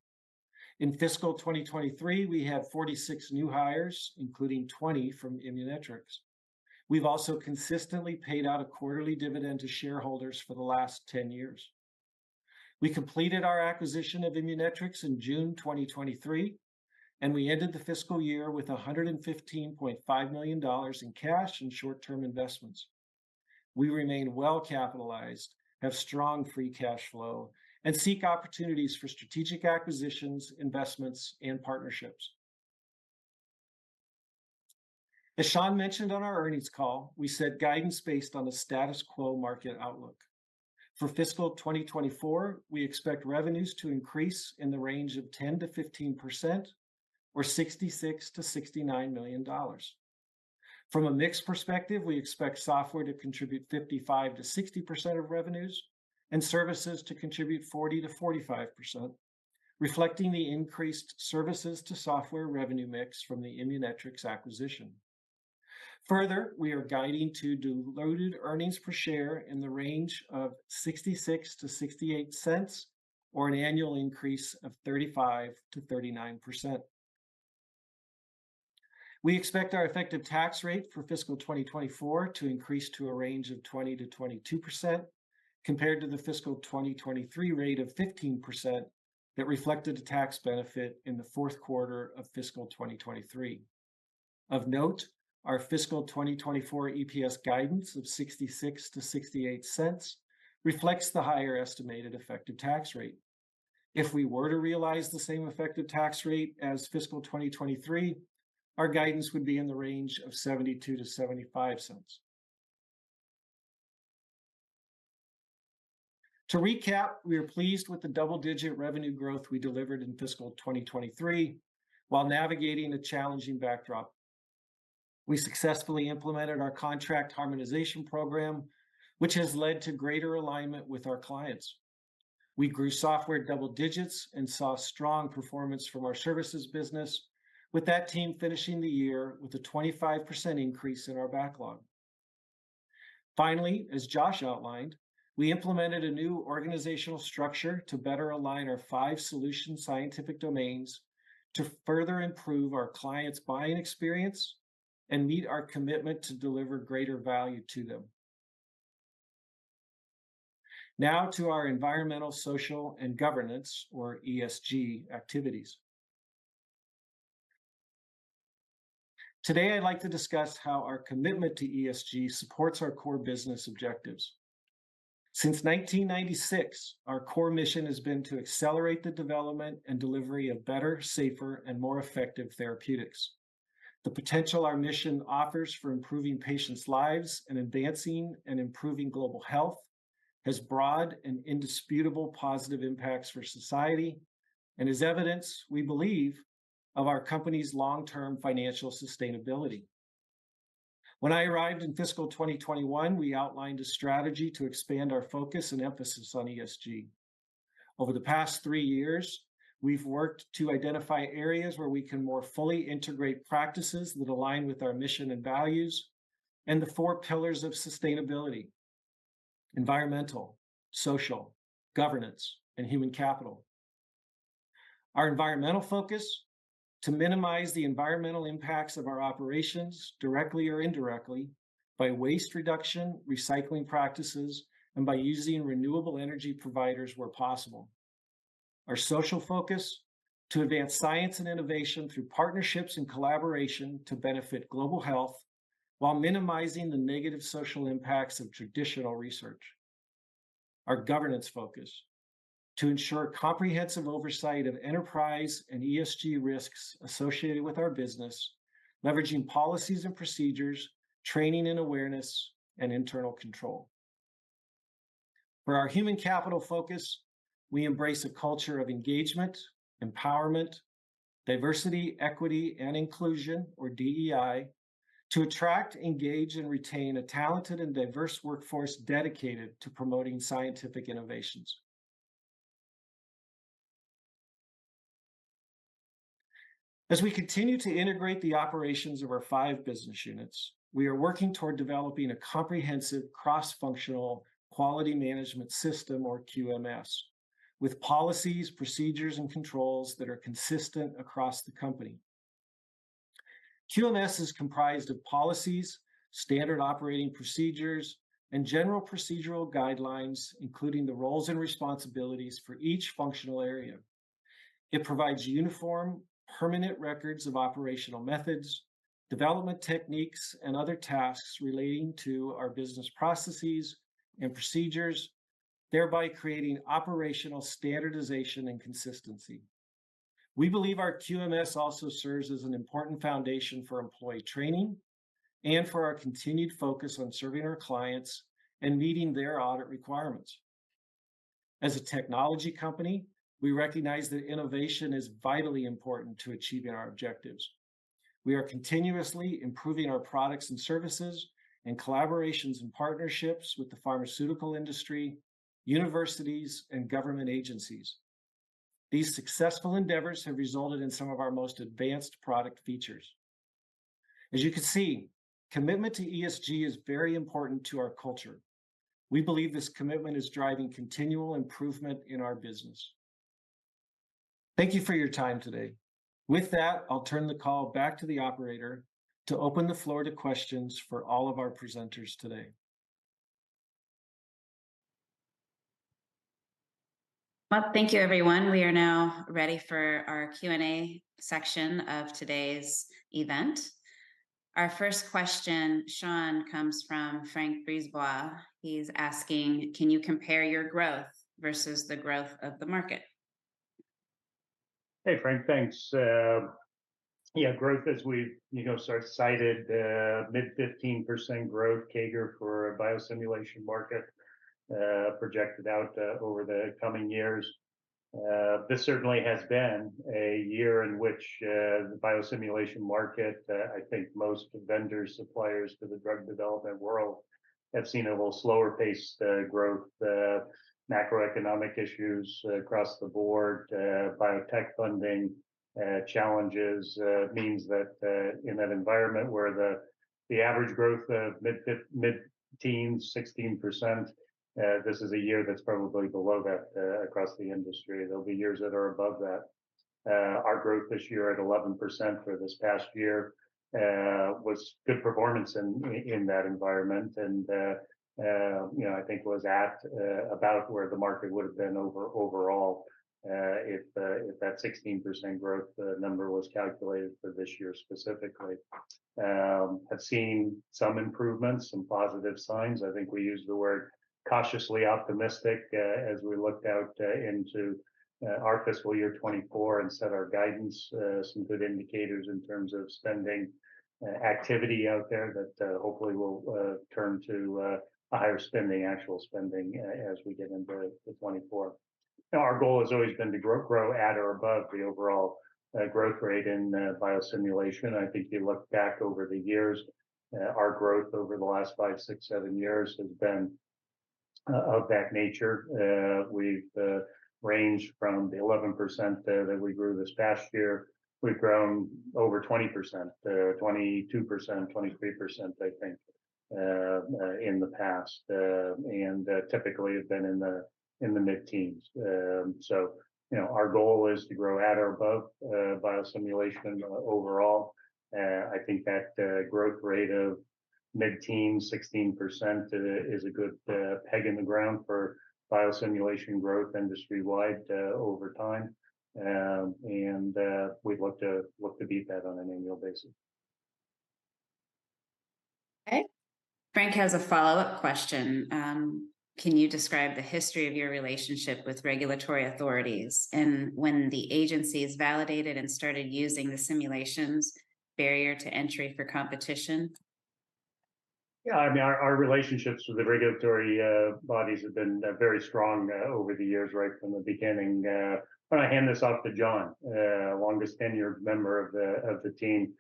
Speaker 10: In fiscal 2023, we had 46 new hires, including 20 from Immunetrics. We've also consistently paid out a quarterly dividend to shareholders for the last 10 years. We completed our acquisition of Immunetrics in June 2023, and we ended the fiscal year with $115.5 million in cash and short-term investments. We remain well-capitalized, have strong free cash flow, and seek opportunities for strategic acquisitions, investments, and partnerships. As Shawn mentioned on our earnings call, we set guidance based on a status quo market outlook. For fiscal 2024, we expect revenues to increase in the range of 10%-15%, or $66 million-$69 million. From a mix perspective, we expect software to contribute 55%-60% of revenues and services to contribute 40%-45%, reflecting the increased services to software revenue mix from the Immunetrics acquisition. Further, we are guiding to diluted earnings per share in the range of $0.66-$0.68, or an annual increase of 35%-39%. We expect our effective tax rate for fiscal 2024 to increase to a range of 20%-22%, compared to the fiscal 2023 rate of 15% that reflected a tax benefit in the fourth quarter of fiscal 2023. Of note, our fiscal 2024 EPS guidance of $0.66-$0.68 reflects the higher estimated effective tax rate. If we were to realize the same effective tax rate as fiscal 2023, our guidance would be in the range of $0.72-$0.75. To recap, we are pleased with the double-digit revenue growth we delivered in fiscal 2023 while navigating a challenging backdrop. We successfully implemented our contract harmonization program, which has led to greater alignment with our clients. We grew software double digits and saw strong performance from our services business, with that team finishing the year with a 25% increase in our backlog. Finally, as Josh outlined, we implemented a new organizational structure to better align our five solution scientific domains to further improve our clients' buying experience and meet our commitment to deliver greater value to them. Now to our environmental, social, and governance, or ESG, activities. Today, I'd like to discuss how our commitment to ESG supports our core business objectives. Since 1996, our core mission has been to accelerate the development and delivery of better, safer, and more effective therapeutics. The potential our mission offers for improving patients' lives and advancing and improving global health has broad and indisputable positive impacts for society and is evidence, we believe, of our company's long-term financial sustainability. When I arrived in fiscal 2021, we outlined a strategy to expand our focus and emphasis on ESG. Over the past three years, we've worked to identify areas where we can more fully integrate practices that align with our mission and values and the four pillars of sustainability: environmental, social, governance, and human capital. Our environmental focus: to minimize the environmental impacts of our operations, directly or indirectly, by waste reduction, recycling practices, and by using renewable energy providers where possible. Our social focus: to advance science and innovation through partnerships and collaboration to benefit global health while minimizing the negative social impacts of traditional research. Our governance focus: to ensure comprehensive oversight of enterprise and ESG risks associated with our business, leveraging policies and procedures, training and awareness, and internal control. For our human capital focus, we embrace a culture of engagement, empowerment, diversity, equity, and inclusion, or DEI, to attract, engage, and retain a talented and diverse workforce dedicated to promoting scientific innovations. As we continue to integrate the operations of our five business units, we are working toward developing a comprehensive cross-functional quality management system, or QMS.
Speaker 2: With policies, procedures, and controls that are consistent across the company. QMS is comprised of policies, standard operating procedures, and general procedural guidelines, including the roles and responsibilities for each functional area. It provides uniform, permanent records of operational methods, development techniques, and other tasks relating to our business processes and procedures, thereby creating operational standardization and consistency. We believe our QMS also serves as an important foundation for employee training and for our continued focus on serving our clients and meeting their audit requirements. As a technology company, we recognize that innovation is vitally important to achieving our objectives. We are continuously improving our products and services, and collaborations and partnerships with the pharmaceutical industry, universities, and government agencies. These successful endeavors have resulted in some of our most advanced product features. As you can see, commitment to ESG is very important to our culture. We believe this commitment is driving continual improvement in our business. Thank you for your time today. With that, I'll turn the call back to the operator to open the floor to questions for all of our presenters today.
Speaker 1: Well, thank you, everyone. We are now ready for our Q&A section of today's event. Our first question, Shawn, comes from Francois Brisebois. He's asking, "Can you compare your growth versus the growth of the market?
Speaker 2: Hey, Frank. Thanks. Yeah, growth, as we, you know, sort of cited, mid-15% growth CAGR for the Biosimulation market, projected out over the coming years. This certainly has been a year in which the Biosimulation market, I think most vendors, suppliers to the drug development world have seen a little slower paced growth. Macroeconomic issues across the board, biotech funding challenges, means that in that environment where the average growth mid-teens, 16%, this is a year that's probably below that across the industry. There'll be years that are above that. Our growth this year at 11% for this past year, was good performance in, in that environment, and, you know, I think was at, about where the market would have been overall, if the, if that 16% growth, number was calculated for this year specifically. Have seen some improvements, some positive signs. I think we used the word cautiously optimistic, as we looked out, into, our fiscal year 2024 and set our guidance. Some good indicators in terms of spending, activity out there that, hopefully will, turn to, a higher spending, actual spending as we get into the 2024. Our goal has always been to grow, grow at or above the overall, growth rate in, biosimulation. I think if you look back over the years, our growth over the last five, six, seven years has been of that nature. We've ranged from the 11% that we grew this past year. We've grown over 20%, 22%, 23%, I think, in the past, and typically have been in the mid-teens. So you know, our goal is to grow at or above biosimulation overall. I think that growth rate of mid-teens, 16%, is a good peg in the ground for biosimulation growth industry-wide over time. And we'd look to beat that on an annual basis.
Speaker 1: Okay. Frank has a follow-up question. "Can you describe the history of your relationship with regulatory authorities? And when the agencies validated and started using the simulations, barrier to entry for competition.
Speaker 2: Yeah, I mean, our relationships with the regulatory bodies have been very strong over the years, right from the beginning. Why don't I hand this off to John, longest tenured member of the team,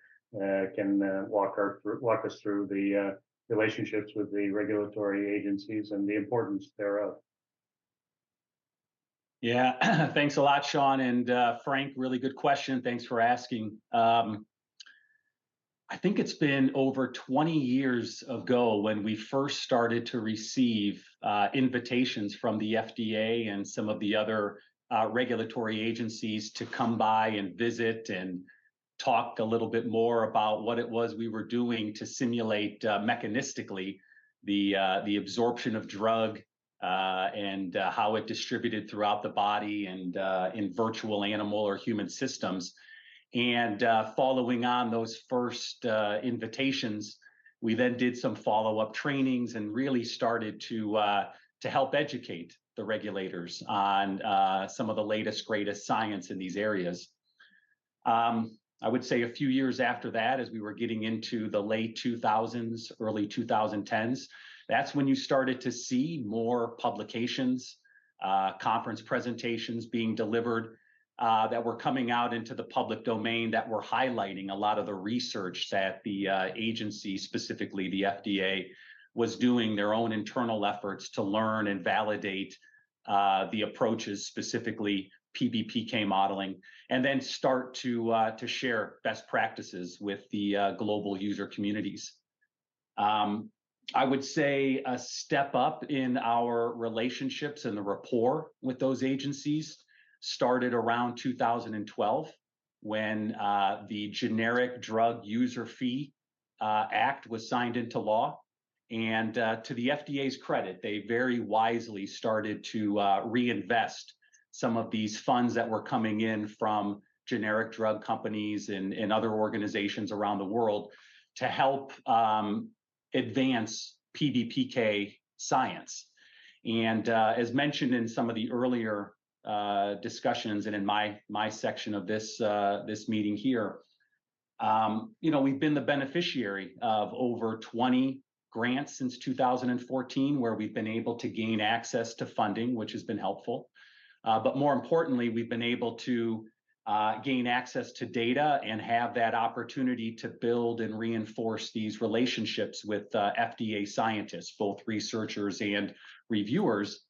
Speaker 2: can walk us through the relationships with the regulatory agencies and the importance thereof.
Speaker 4: Yeah, thanks a lot, Shawn and, Frank, really good question. Thanks for asking. I think it's been over 20 years ago, when we first started to receive invitations from the FDA and some of the other regulatory agencies, to come by and visit and talk a little bit more about what it was we were doing to simulate mechanistically the absorption of drug and how it distributed throughout the body and in virtual animal or human systems. And following on those first invitations, we then did some follow-up trainings and really started to help educate the regulators on some of the latest, greatest science in these areas. I would say a few years after that, as we were getting into the late 2000s, early 2010s, that's when you started to see more publications, conference presentations being delivered, that were coming out into the public domain, that were highlighting a lot of the research that the agency, specifically the FDA, was doing their own internal efforts to learn and validate, the approaches, specifically PBPK modeling, and then start to share best practices with the global user communities. I would say a step up in our relationships and the rapport with those agencies started around 2012, when the Generic Drug User Fee Act was signed into law. To the FDA's credit, they very wisely started to reinvest some of these funds that were coming in from generic drug companies and other organizations around the world, to help advance PBPK science. As mentioned in some of the earlier discussions and in my section of this meeting here, you know, we've been the beneficiary of over 20 grants since 2014, where we've been able to gain access to funding, which has been helpful. But more importantly, we've been able to gain access to data and have that opportunity to build and reinforce these relationships with FDA scientists, both researchers and reviewers.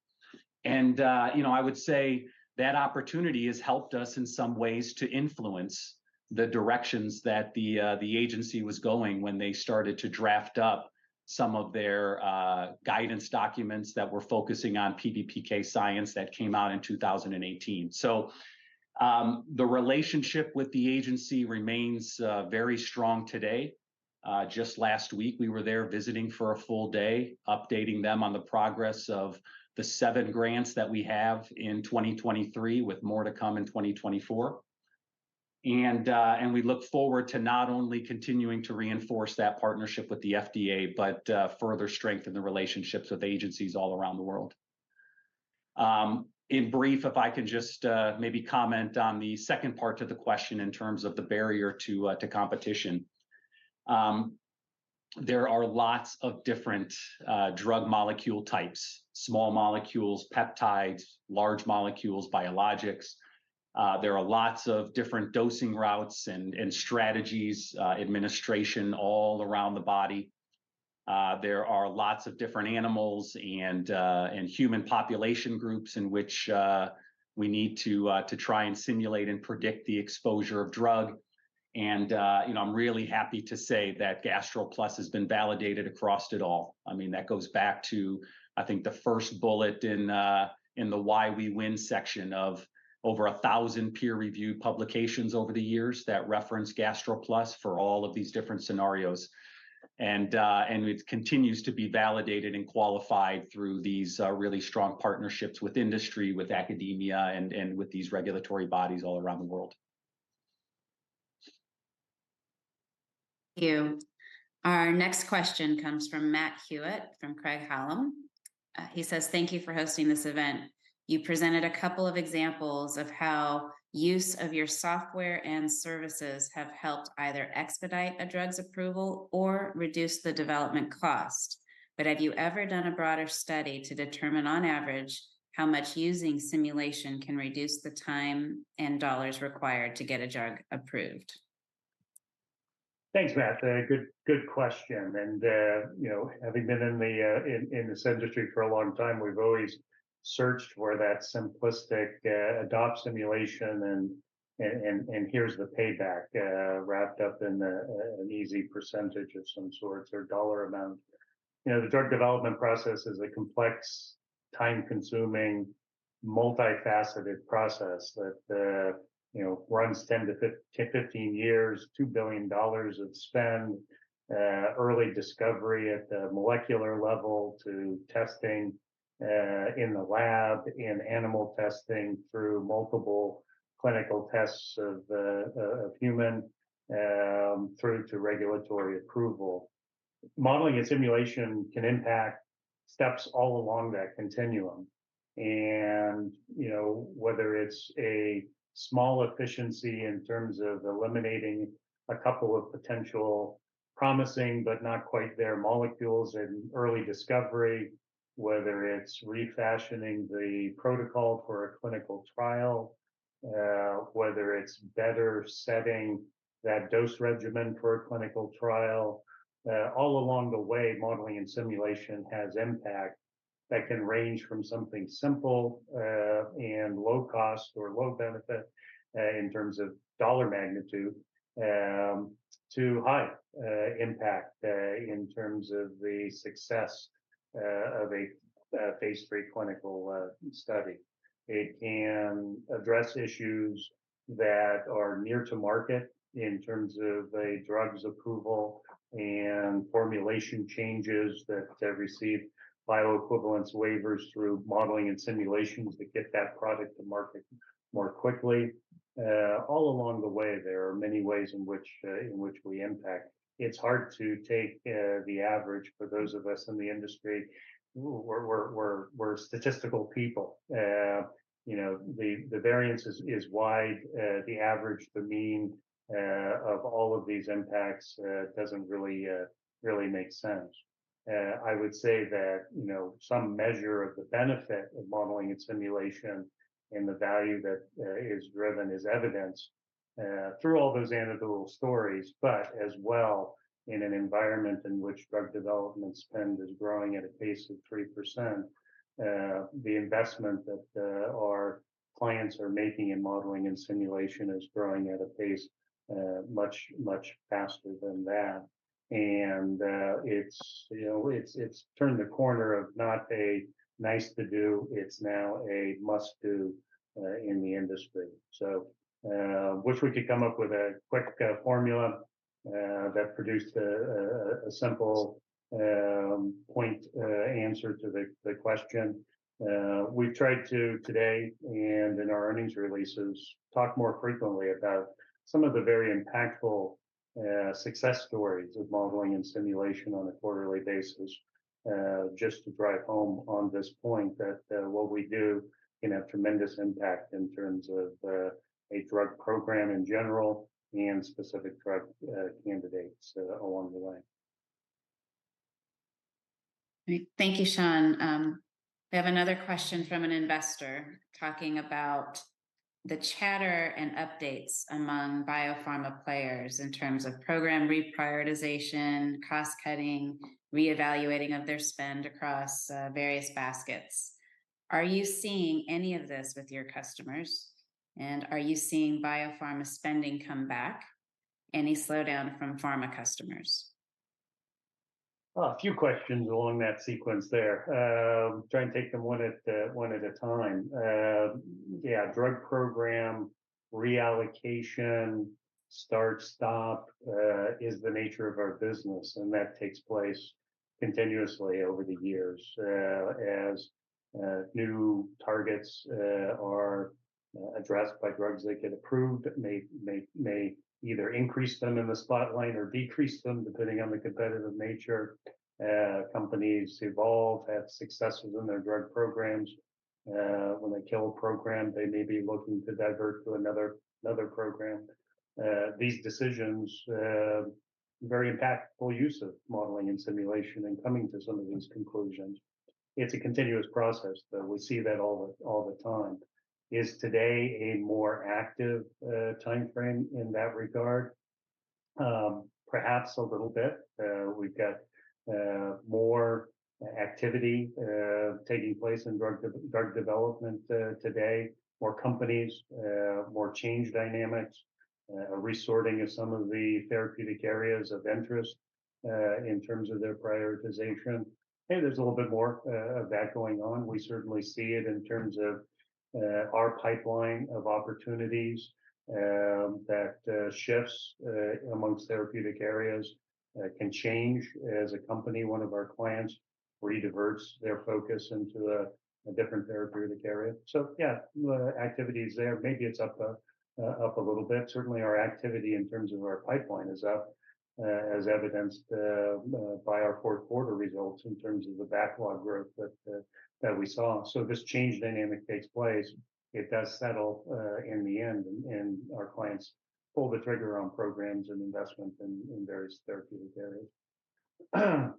Speaker 4: And, you know, I would say that opportunity has helped us in some ways to influence the directions that the agency was going when they started to draft up some of their guidance documents that were focusing on PBPK science that came out in 2018. So, the relationship with the agency remains very strong today. Just last week, we were there visiting for a full day, updating them on the progress of the 7 grants that we have in 2023, with more to come in 2024. And we look forward to not only continuing to reinforce that partnership with the FDA, but further strengthen the relationships with agencies all around the world. In brief, if I can just maybe comment on the second part to the question in terms of the barrier to competition. There are lots of different drug molecule types, small molecules, peptides, large molecules, biologics. There are lots of different dosing routes and strategies administration, all around the body. There are lots of different animals and human population groups in which we need to try and simulate and predict the exposure of drug. And you know, I'm really happy to say that GastroPlus has been validated across it all. I mean, that goes back to, I think, the first bullet in the Why We Win section of over 1,000 peer-reviewed publications over the years that reference GastroPlus for all of these different scenarios. It continues to be validated and qualified through these really strong partnerships with industry, with academia, and with these regulatory bodies all around the world.
Speaker 1: Thank you. Our next question comes from Matt Hewitt, from Craig-Hallum. He says: "Thank you for hosting this event. You presented a couple of examples of how use of your software and services have helped either expedite a drug's approval or reduce the development cost. But have you ever done a broader study to determine, on average, how much using simulation can reduce the time and dollars required to get a drug approved?
Speaker 2: Thanks, Matt. Good, good question, and you know, having been in this industry for a long time, we've always searched for that simplistic adopt simulation and here's the payback wrapped up in an easy percentage of some sort or dollar amount. You know, the drug development process is a complex, time-consuming, multifaceted process that you know runs 10-15 years, $2 billion of spend, early discovery at the molecular level to testing in the lab, and animal testing through multiple clinical tests of human through to regulatory approval. Modeling and simulation can impact steps all along that continuum. You know, whether it's a small efficiency in terms of eliminating a couple of potential promising but not quite there molecules in early discovery, whether it's refashioning the protocol for a clinical trial, whether it's better setting that dose regimen for a clinical trial. All along the way, modeling and simulation has impact that can range from something simple and low cost or low benefit in terms of dollar magnitude to high impact in terms of the success of a phase III clinical study. It can address issues that are near to market in terms of a drug's approval and formulation changes that have received bioequivalence waivers through modeling and simulations that get that product to market more quickly. All along the way, there are many ways in which we impact. It's hard to take the average for those of us in the industry. We're statistical people. You know, the variance is wide. The average, the mean of all of these impacts doesn't really really make sense. I would say that, you know, some measure of the benefit of modeling and simulation and the value that is driven is evidenced through all those anecdotal stories, but as well, in an environment in which drug development spend is growing at a pace of 3%. The investment that our clients are making in modeling and simulation is growing at a pace much, much faster than that. And it's, you know, it's turned the corner of not a nice to do, it's now a must-do in the industry. So, wish we could come up with a quick formula that produced a simple point answer to the question. We've tried to today, and in our earnings releases, talk more frequently about some of the very impactful success stories of modeling and simulation on a quarterly basis, just to drive home on this point, that what we do can have tremendous impact in terms of a drug program in general and specific drug candidates along the way.
Speaker 1: Thank you, Shawn. We have another question from an investor talking about the chatter and updates among biopharma players in terms of program reprioritization, cost cutting, reevaluating of their spend across, various baskets. Are you seeing any of this with your customers? Are you seeing biopharma spending come back? Any slowdown from pharma customers?
Speaker 2: Well, a few questions along that sequence there. Try and take them one at a time. Yeah, drug program reallocation, start, stop, is the nature of our business, and that takes place continuously over the years. As new targets are addressed by drugs that get approved, may either increase them in the spotlight or decrease them, depending on the competitive nature. Companies evolve, have successes in their drug programs. When they kill a program, they may be looking to divert to another program. These decisions very impactful use of modeling and simulation and coming to some of these conclusions. It's a continuous process, though. We see that all the time. Is today a more active timeframe in that regard? Perhaps a little bit. We've got more activity taking place in drug development today. More companies, more change dynamics, resorting of some of the therapeutic areas of interest in terms of their prioritization. Hey, there's a little bit more of that going on. We certainly see it in terms of our pipeline of opportunities that shifts amongst therapeutic areas can change as a company. One of our clients redirects their focus into a different therapeutic area. So yeah, activity is there. Maybe it's up a little bit. Certainly, our activity in terms of our pipeline is up, as evidenced by our fourth quarter results in terms of the backlog growth that we saw. So this change dynamic takes place. It does settle in the end, and our clients pull the trigger on programs and investments in various therapeutic areas.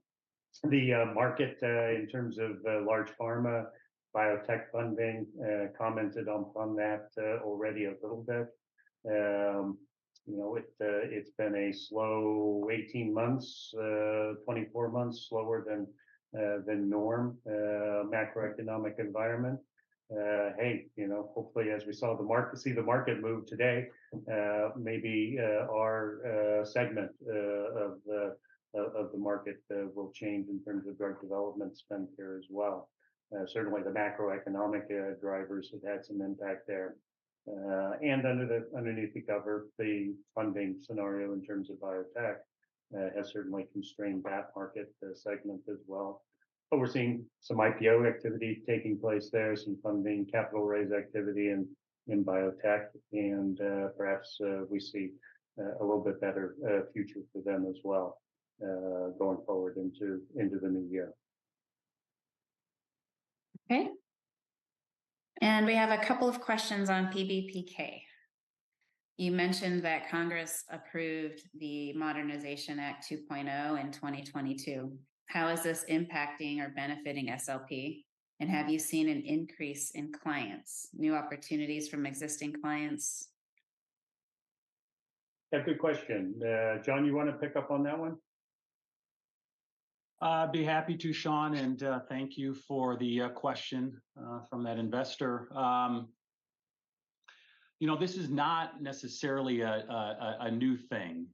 Speaker 2: The market in terms of large pharma, biotech funding, commented on that already a little bit. You know, it's been a slow 18 months, 24 months, slower than norm, macroeconomic environment. Hey, you know, hopefully, as we see the market move today, maybe our segment of the market will change in terms of drug development spend here as well. Certainly, the macroeconomic drivers have had some impact there. And underneath the cover, the funding scenario in terms of biotech has certainly constrained that market segment as well. But we're seeing some IPO activity taking place there, some funding, capital raise activity in biotech, and perhaps we see a little bit better future for them as well, going forward into the new year.
Speaker 1: Okay. We have a couple of questions on PBPK. You mentioned that Congress approved the Modernization Act 2.0 in 2022. How is this impacting or benefiting SLP? And have you seen an increase in clients, new opportunities from existing clients?
Speaker 2: Yeah, good question. John, you want to pick up on that one?
Speaker 4: I'd be happy to, Shawn, and thank you for the question from that investor. You know, this is not necessarily a new thing.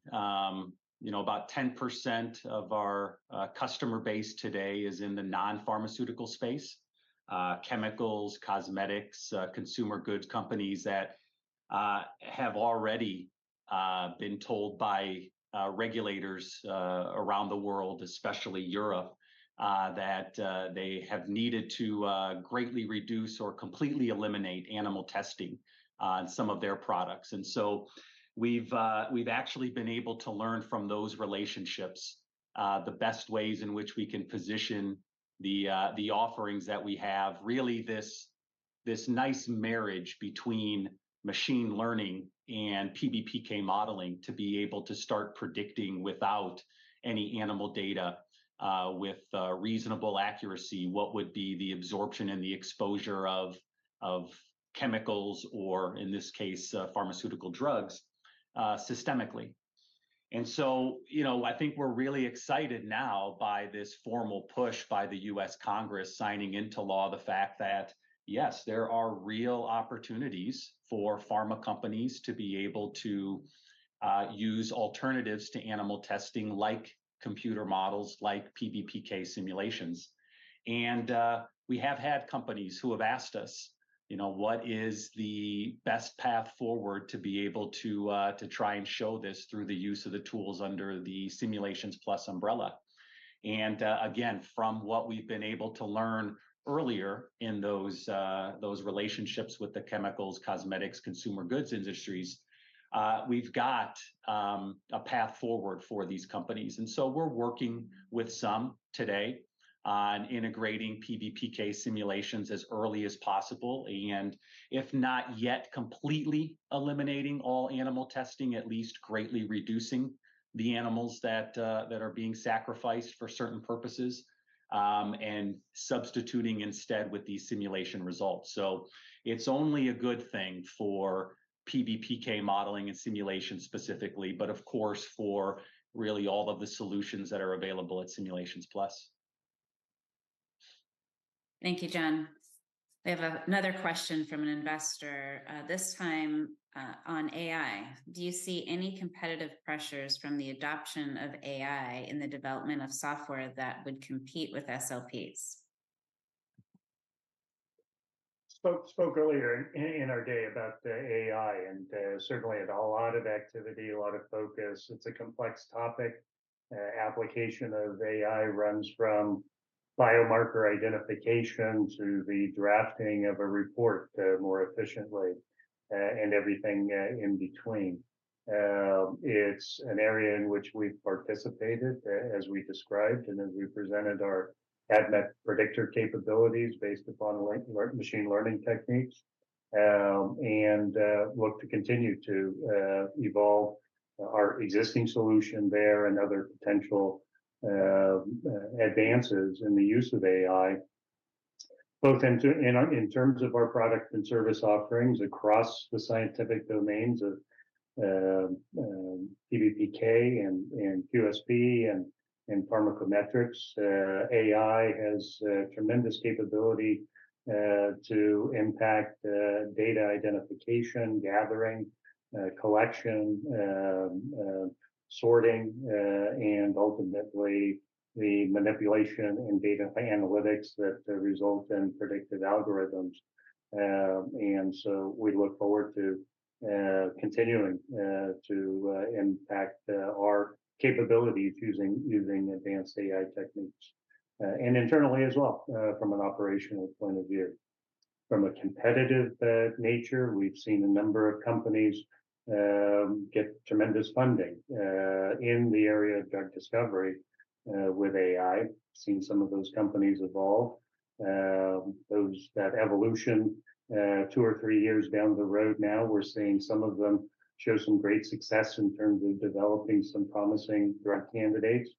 Speaker 4: You know, about 10% of our customer base today is in the non-pharmaceutical space. Chemicals, cosmetics, consumer goods companies that have already been told by regulators around the world, especially Europe, that they have needed to greatly reduce or completely eliminate animal testing on some of their products. And so we've actually been able to learn from those relationships, the best ways in which we can position the offerings that we have. Really, this nice marriage between machine learning and PBPK modeling, to be able to start predicting without any animal data, with reasonable accuracy, what would be the absorption and the exposure of chemicals, or in this case, pharmaceutical drugs, systemically. And so, you know, I think we're really excited now by this formal push by the U.S. Congress, signing into law the fact that, yes, there are real opportunities for pharma companies to be able to use alternatives to animal testing, like computer models, like PBPK simulations. And, we have had companies who have asked us, you know, what is the best path forward to be able to try and show this through the use of the tools under the Simulations Plus umbrella? Again, from what we've been able to learn earlier in those relationships with the chemicals, cosmetics, consumer goods industries, we've got a path forward for these companies. So we're working with some today on integrating PBPK simulations as early as possible, and if not yet completely eliminating all animal testing, at least greatly reducing the animals that are being sacrificed for certain purposes, and substituting instead with these simulation results. It's only a good thing for PBPK modeling and simulation specifically, but of course, for really all of the solutions that are available at Simulations Plus.
Speaker 1: Thank you, John. We have another question from an investor, this time, on AI. Do you see any competitive pressures from the adoption of AI in the development of software that would compete with SLPs?
Speaker 2: Spoke earlier in our day about the AI, and certainly a whole lot of activity, a lot of focus. It's a complex topic. Application of AI runs from biomarker identification to the drafting of a report more efficiently, and everything in between. It's an area in which we've participated, as we described, and as we presented our ADMET Predictor capabilities based upon machine learning techniques. And look to continue to evolve our existing solution there and other potential advances in the use of AI, both in terms of our product and service offerings across the scientific domains of PBPK and QSP and pharmacometrics. AI has tremendous capability to impact data identification, gathering, collection, sorting, and ultimately, the manipulation and data analytics that result in predictive algorithms. And so we look forward to continuing to impact our capabilities using, using advanced AI techniques, and internally as well, from an operational point of view. From a competitive nature, we've seen a number of companies get tremendous funding in the area of drug discovery with AI. Seen some of those companies evolve. That evolution two or three years down the road now, we're seeing some of them show some great success in terms of developing some promising drug candidates.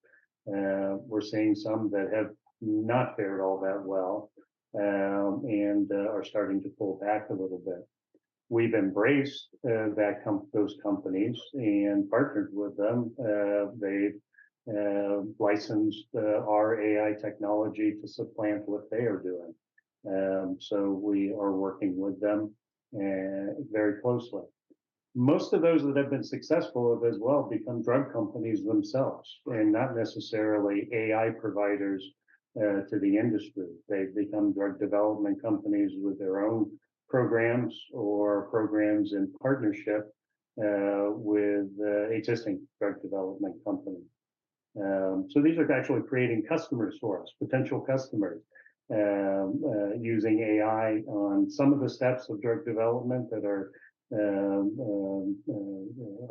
Speaker 2: We're seeing some that have not fared all that well, and are starting to pull back a little bit. We've embraced those companies and partnered with them. They've licensed our AI technology to supplant what they are doing. So we are working with them very closely. Most of those that have been successful have as well become drug companies themselves, and not necessarily AI providers to the industry. They've become drug development companies with their own programs or programs in partnership with existing drug development companies. So these are actually creating customers for us, potential customers, using AI on some of the steps of drug development that are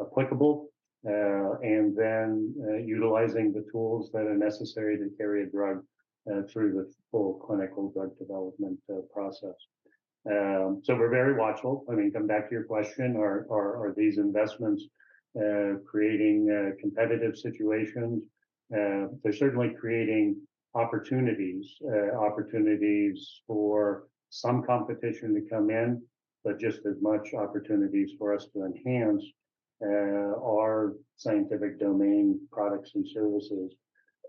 Speaker 2: applicable, and then utilizing the tools that are necessary to carry a drug through the full clinical drug development process. So we're very watchful. I mean, come back to your question, are these investments creating competitive situations? They're certainly creating opportunities, opportunities for some competition to come in, but just as much opportunities for us to enhance our scientific domain products and services,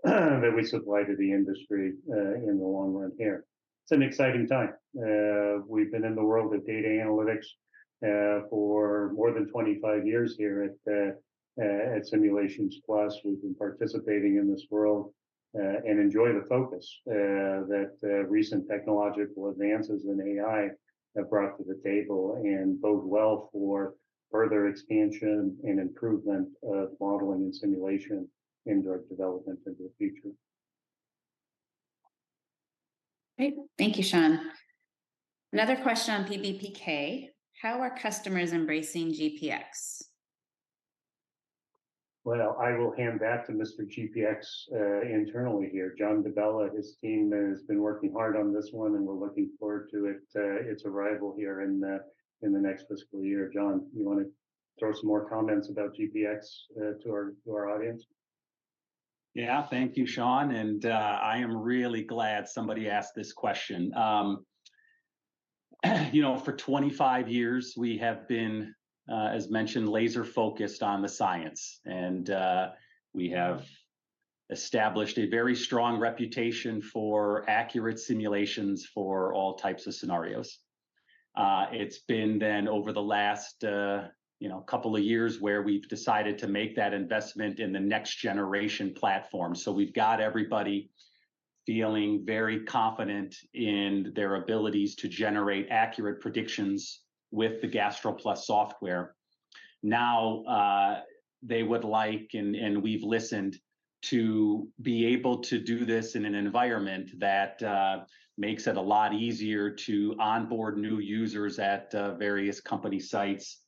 Speaker 2: that we supply to the industry, in the long run here. It's an exciting time. We've been in the world of data analytics, for more than 25 years here at Simulations Plus. We've been participating in this world, and enjoy the focus, that recent technological advances in AI have brought to the table and bode well for further expansion and improvement of modeling and simulation in drug development into the future.
Speaker 1: Great. Thank you, Shawn. Another question on PBPK: How are customers embracing GPX?
Speaker 2: Well, I will hand that to Mr. GPX, internally here, John DiBella. His team has been working hard on this one, and we're looking forward to its arrival here in the next fiscal year. John, you want to throw some more comments about GPX to our audience?
Speaker 4: Yeah, thank you, Shawn, and I am really glad somebody asked this question. You know, for 25 years, we have been, as mentioned, laser-focused on the science, and we have established a very strong reputation for accurate simulations for all types of scenarios. It's been then over the last, you know, couple of years where we've decided to make that investment in the next generation platform. So we've got everybody feeling very confident in their abilities to generate accurate predictions with the GastroPlus software. Now, they would like, and we've listened, to be able to do this in an environment that makes it a lot easier to onboard new users at various company sites,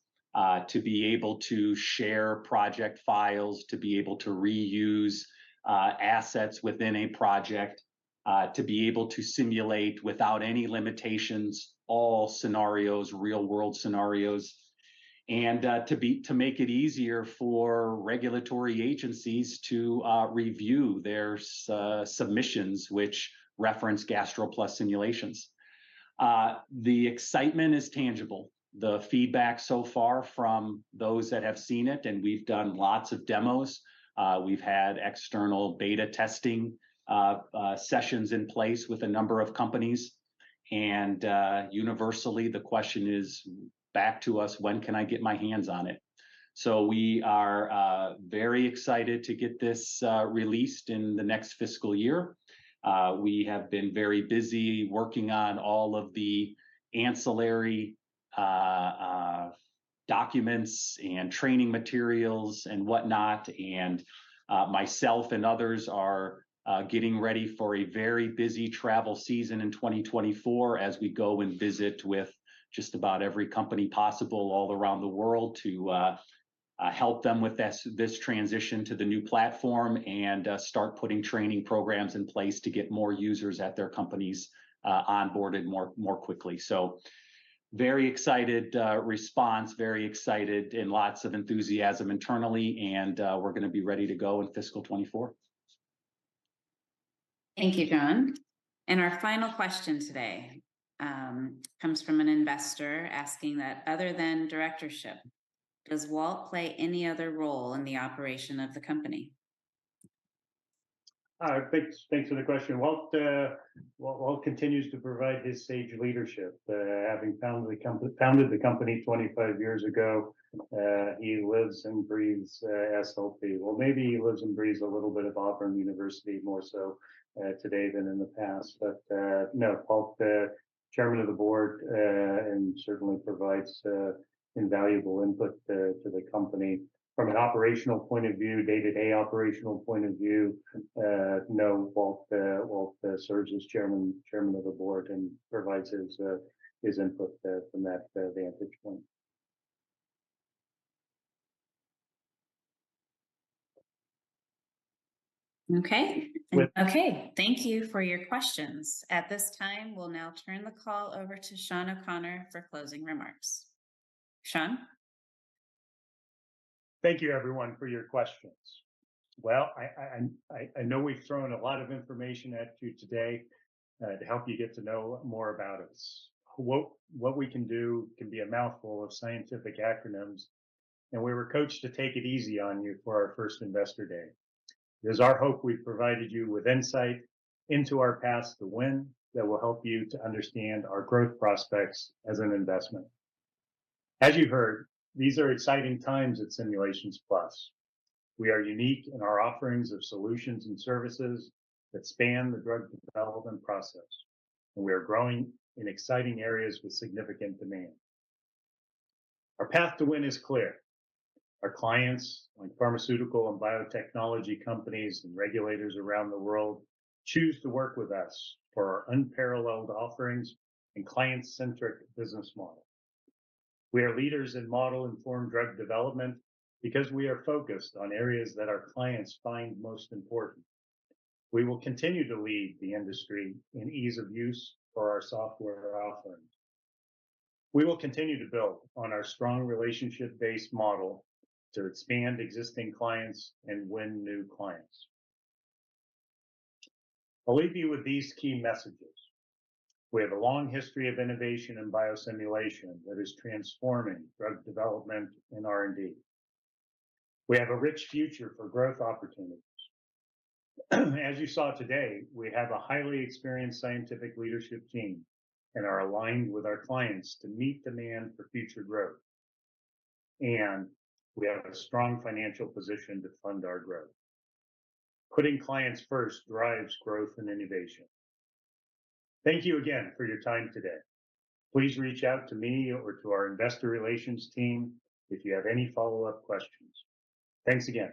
Speaker 4: to be able to share project files, to be able to reuse assets within a project, to be able to simulate without any limitations, all scenarios, real-world scenarios, and to make it easier for regulatory agencies to review their submissions, which reference GastroPlus simulations. The excitement is tangible. The feedback so far from those that have seen it, and we've done lots of demos. We've had external beta testing sessions in place with a number of companies, and universally, the question is back to us: "When can I get my hands on it?" So we are very excited to get this released in the next fiscal year. We have been very busy working on all of the ancillary documents and training materials and whatnot, and myself and others are getting ready for a very busy travel season in 2024 as we go and visit with just about every company possible all around the world to help them with this transition to the new platform and start putting training programs in place to get more users at their companies onboarded more quickly. So very excited response, very excited and lots of enthusiasm internally, and we're gonna be ready to go in fiscal 2024.
Speaker 1: Thank you, John. Our final question today comes from an investor asking that other than directorship, does Walt play any other role in the operation of the company?
Speaker 2: Thanks, thanks for the question. Walt continues to provide his sage leadership, having founded the company twenty-five years ago. He lives and breathes SLP. Well, maybe he lives and breathes a little bit of Auburn University, more so today than in the past. But no, Walt, the chairman of the board, and certainly provides invaluable input to the company. From an operational point of view, day-to-day operational point of view, no, Walt serves as chairman of the board and provides his input from that vantage point.
Speaker 1: Okay. Thank you for your questions. At this time, we'll now turn the call over to Shawn O'Connor for closing remarks. Shawn?
Speaker 2: Thank you, everyone, for your questions. Well, I know we've thrown a lot of information at you today to help you get to know more about us. What we can do can be a mouthful of scientific acronyms, and we were coached to take it easy on you for our first Investor Day. It is our hope we've provided you with insight into our path to win, that will help you to understand our growth prospects as an investment. As you heard, these are exciting times at Simulations Plus. We are unique in our offerings of solutions and services that span the drug development process, and we are growing in exciting areas with significant demand. Our path to win is clear. Our clients, like pharmaceutical and biotechnology companies and regulators around the world, choose to work with us for our unparalleled offerings and client-centric business model. We are leaders in model-informed drug development because we are focused on areas that our clients find most important. We will continue to lead the industry in ease of use for our software offerings. We will continue to build on our strong relationship-based model to expand existing clients and win new clients. I'll leave you with these key messages. We have a long history of innovation in biosimulation that is transforming drug development and R&D. We have a rich future for growth opportunities. As you saw today, we have a highly experienced scientific leadership team and are aligned with our clients to meet demand for future growth, and we have a strong financial position to fund our growth. Putting clients first drives growth and innovation. Thank you again for your time today. Please reach out to me or to our investor relations team if you have any follow-up questions. Thanks again.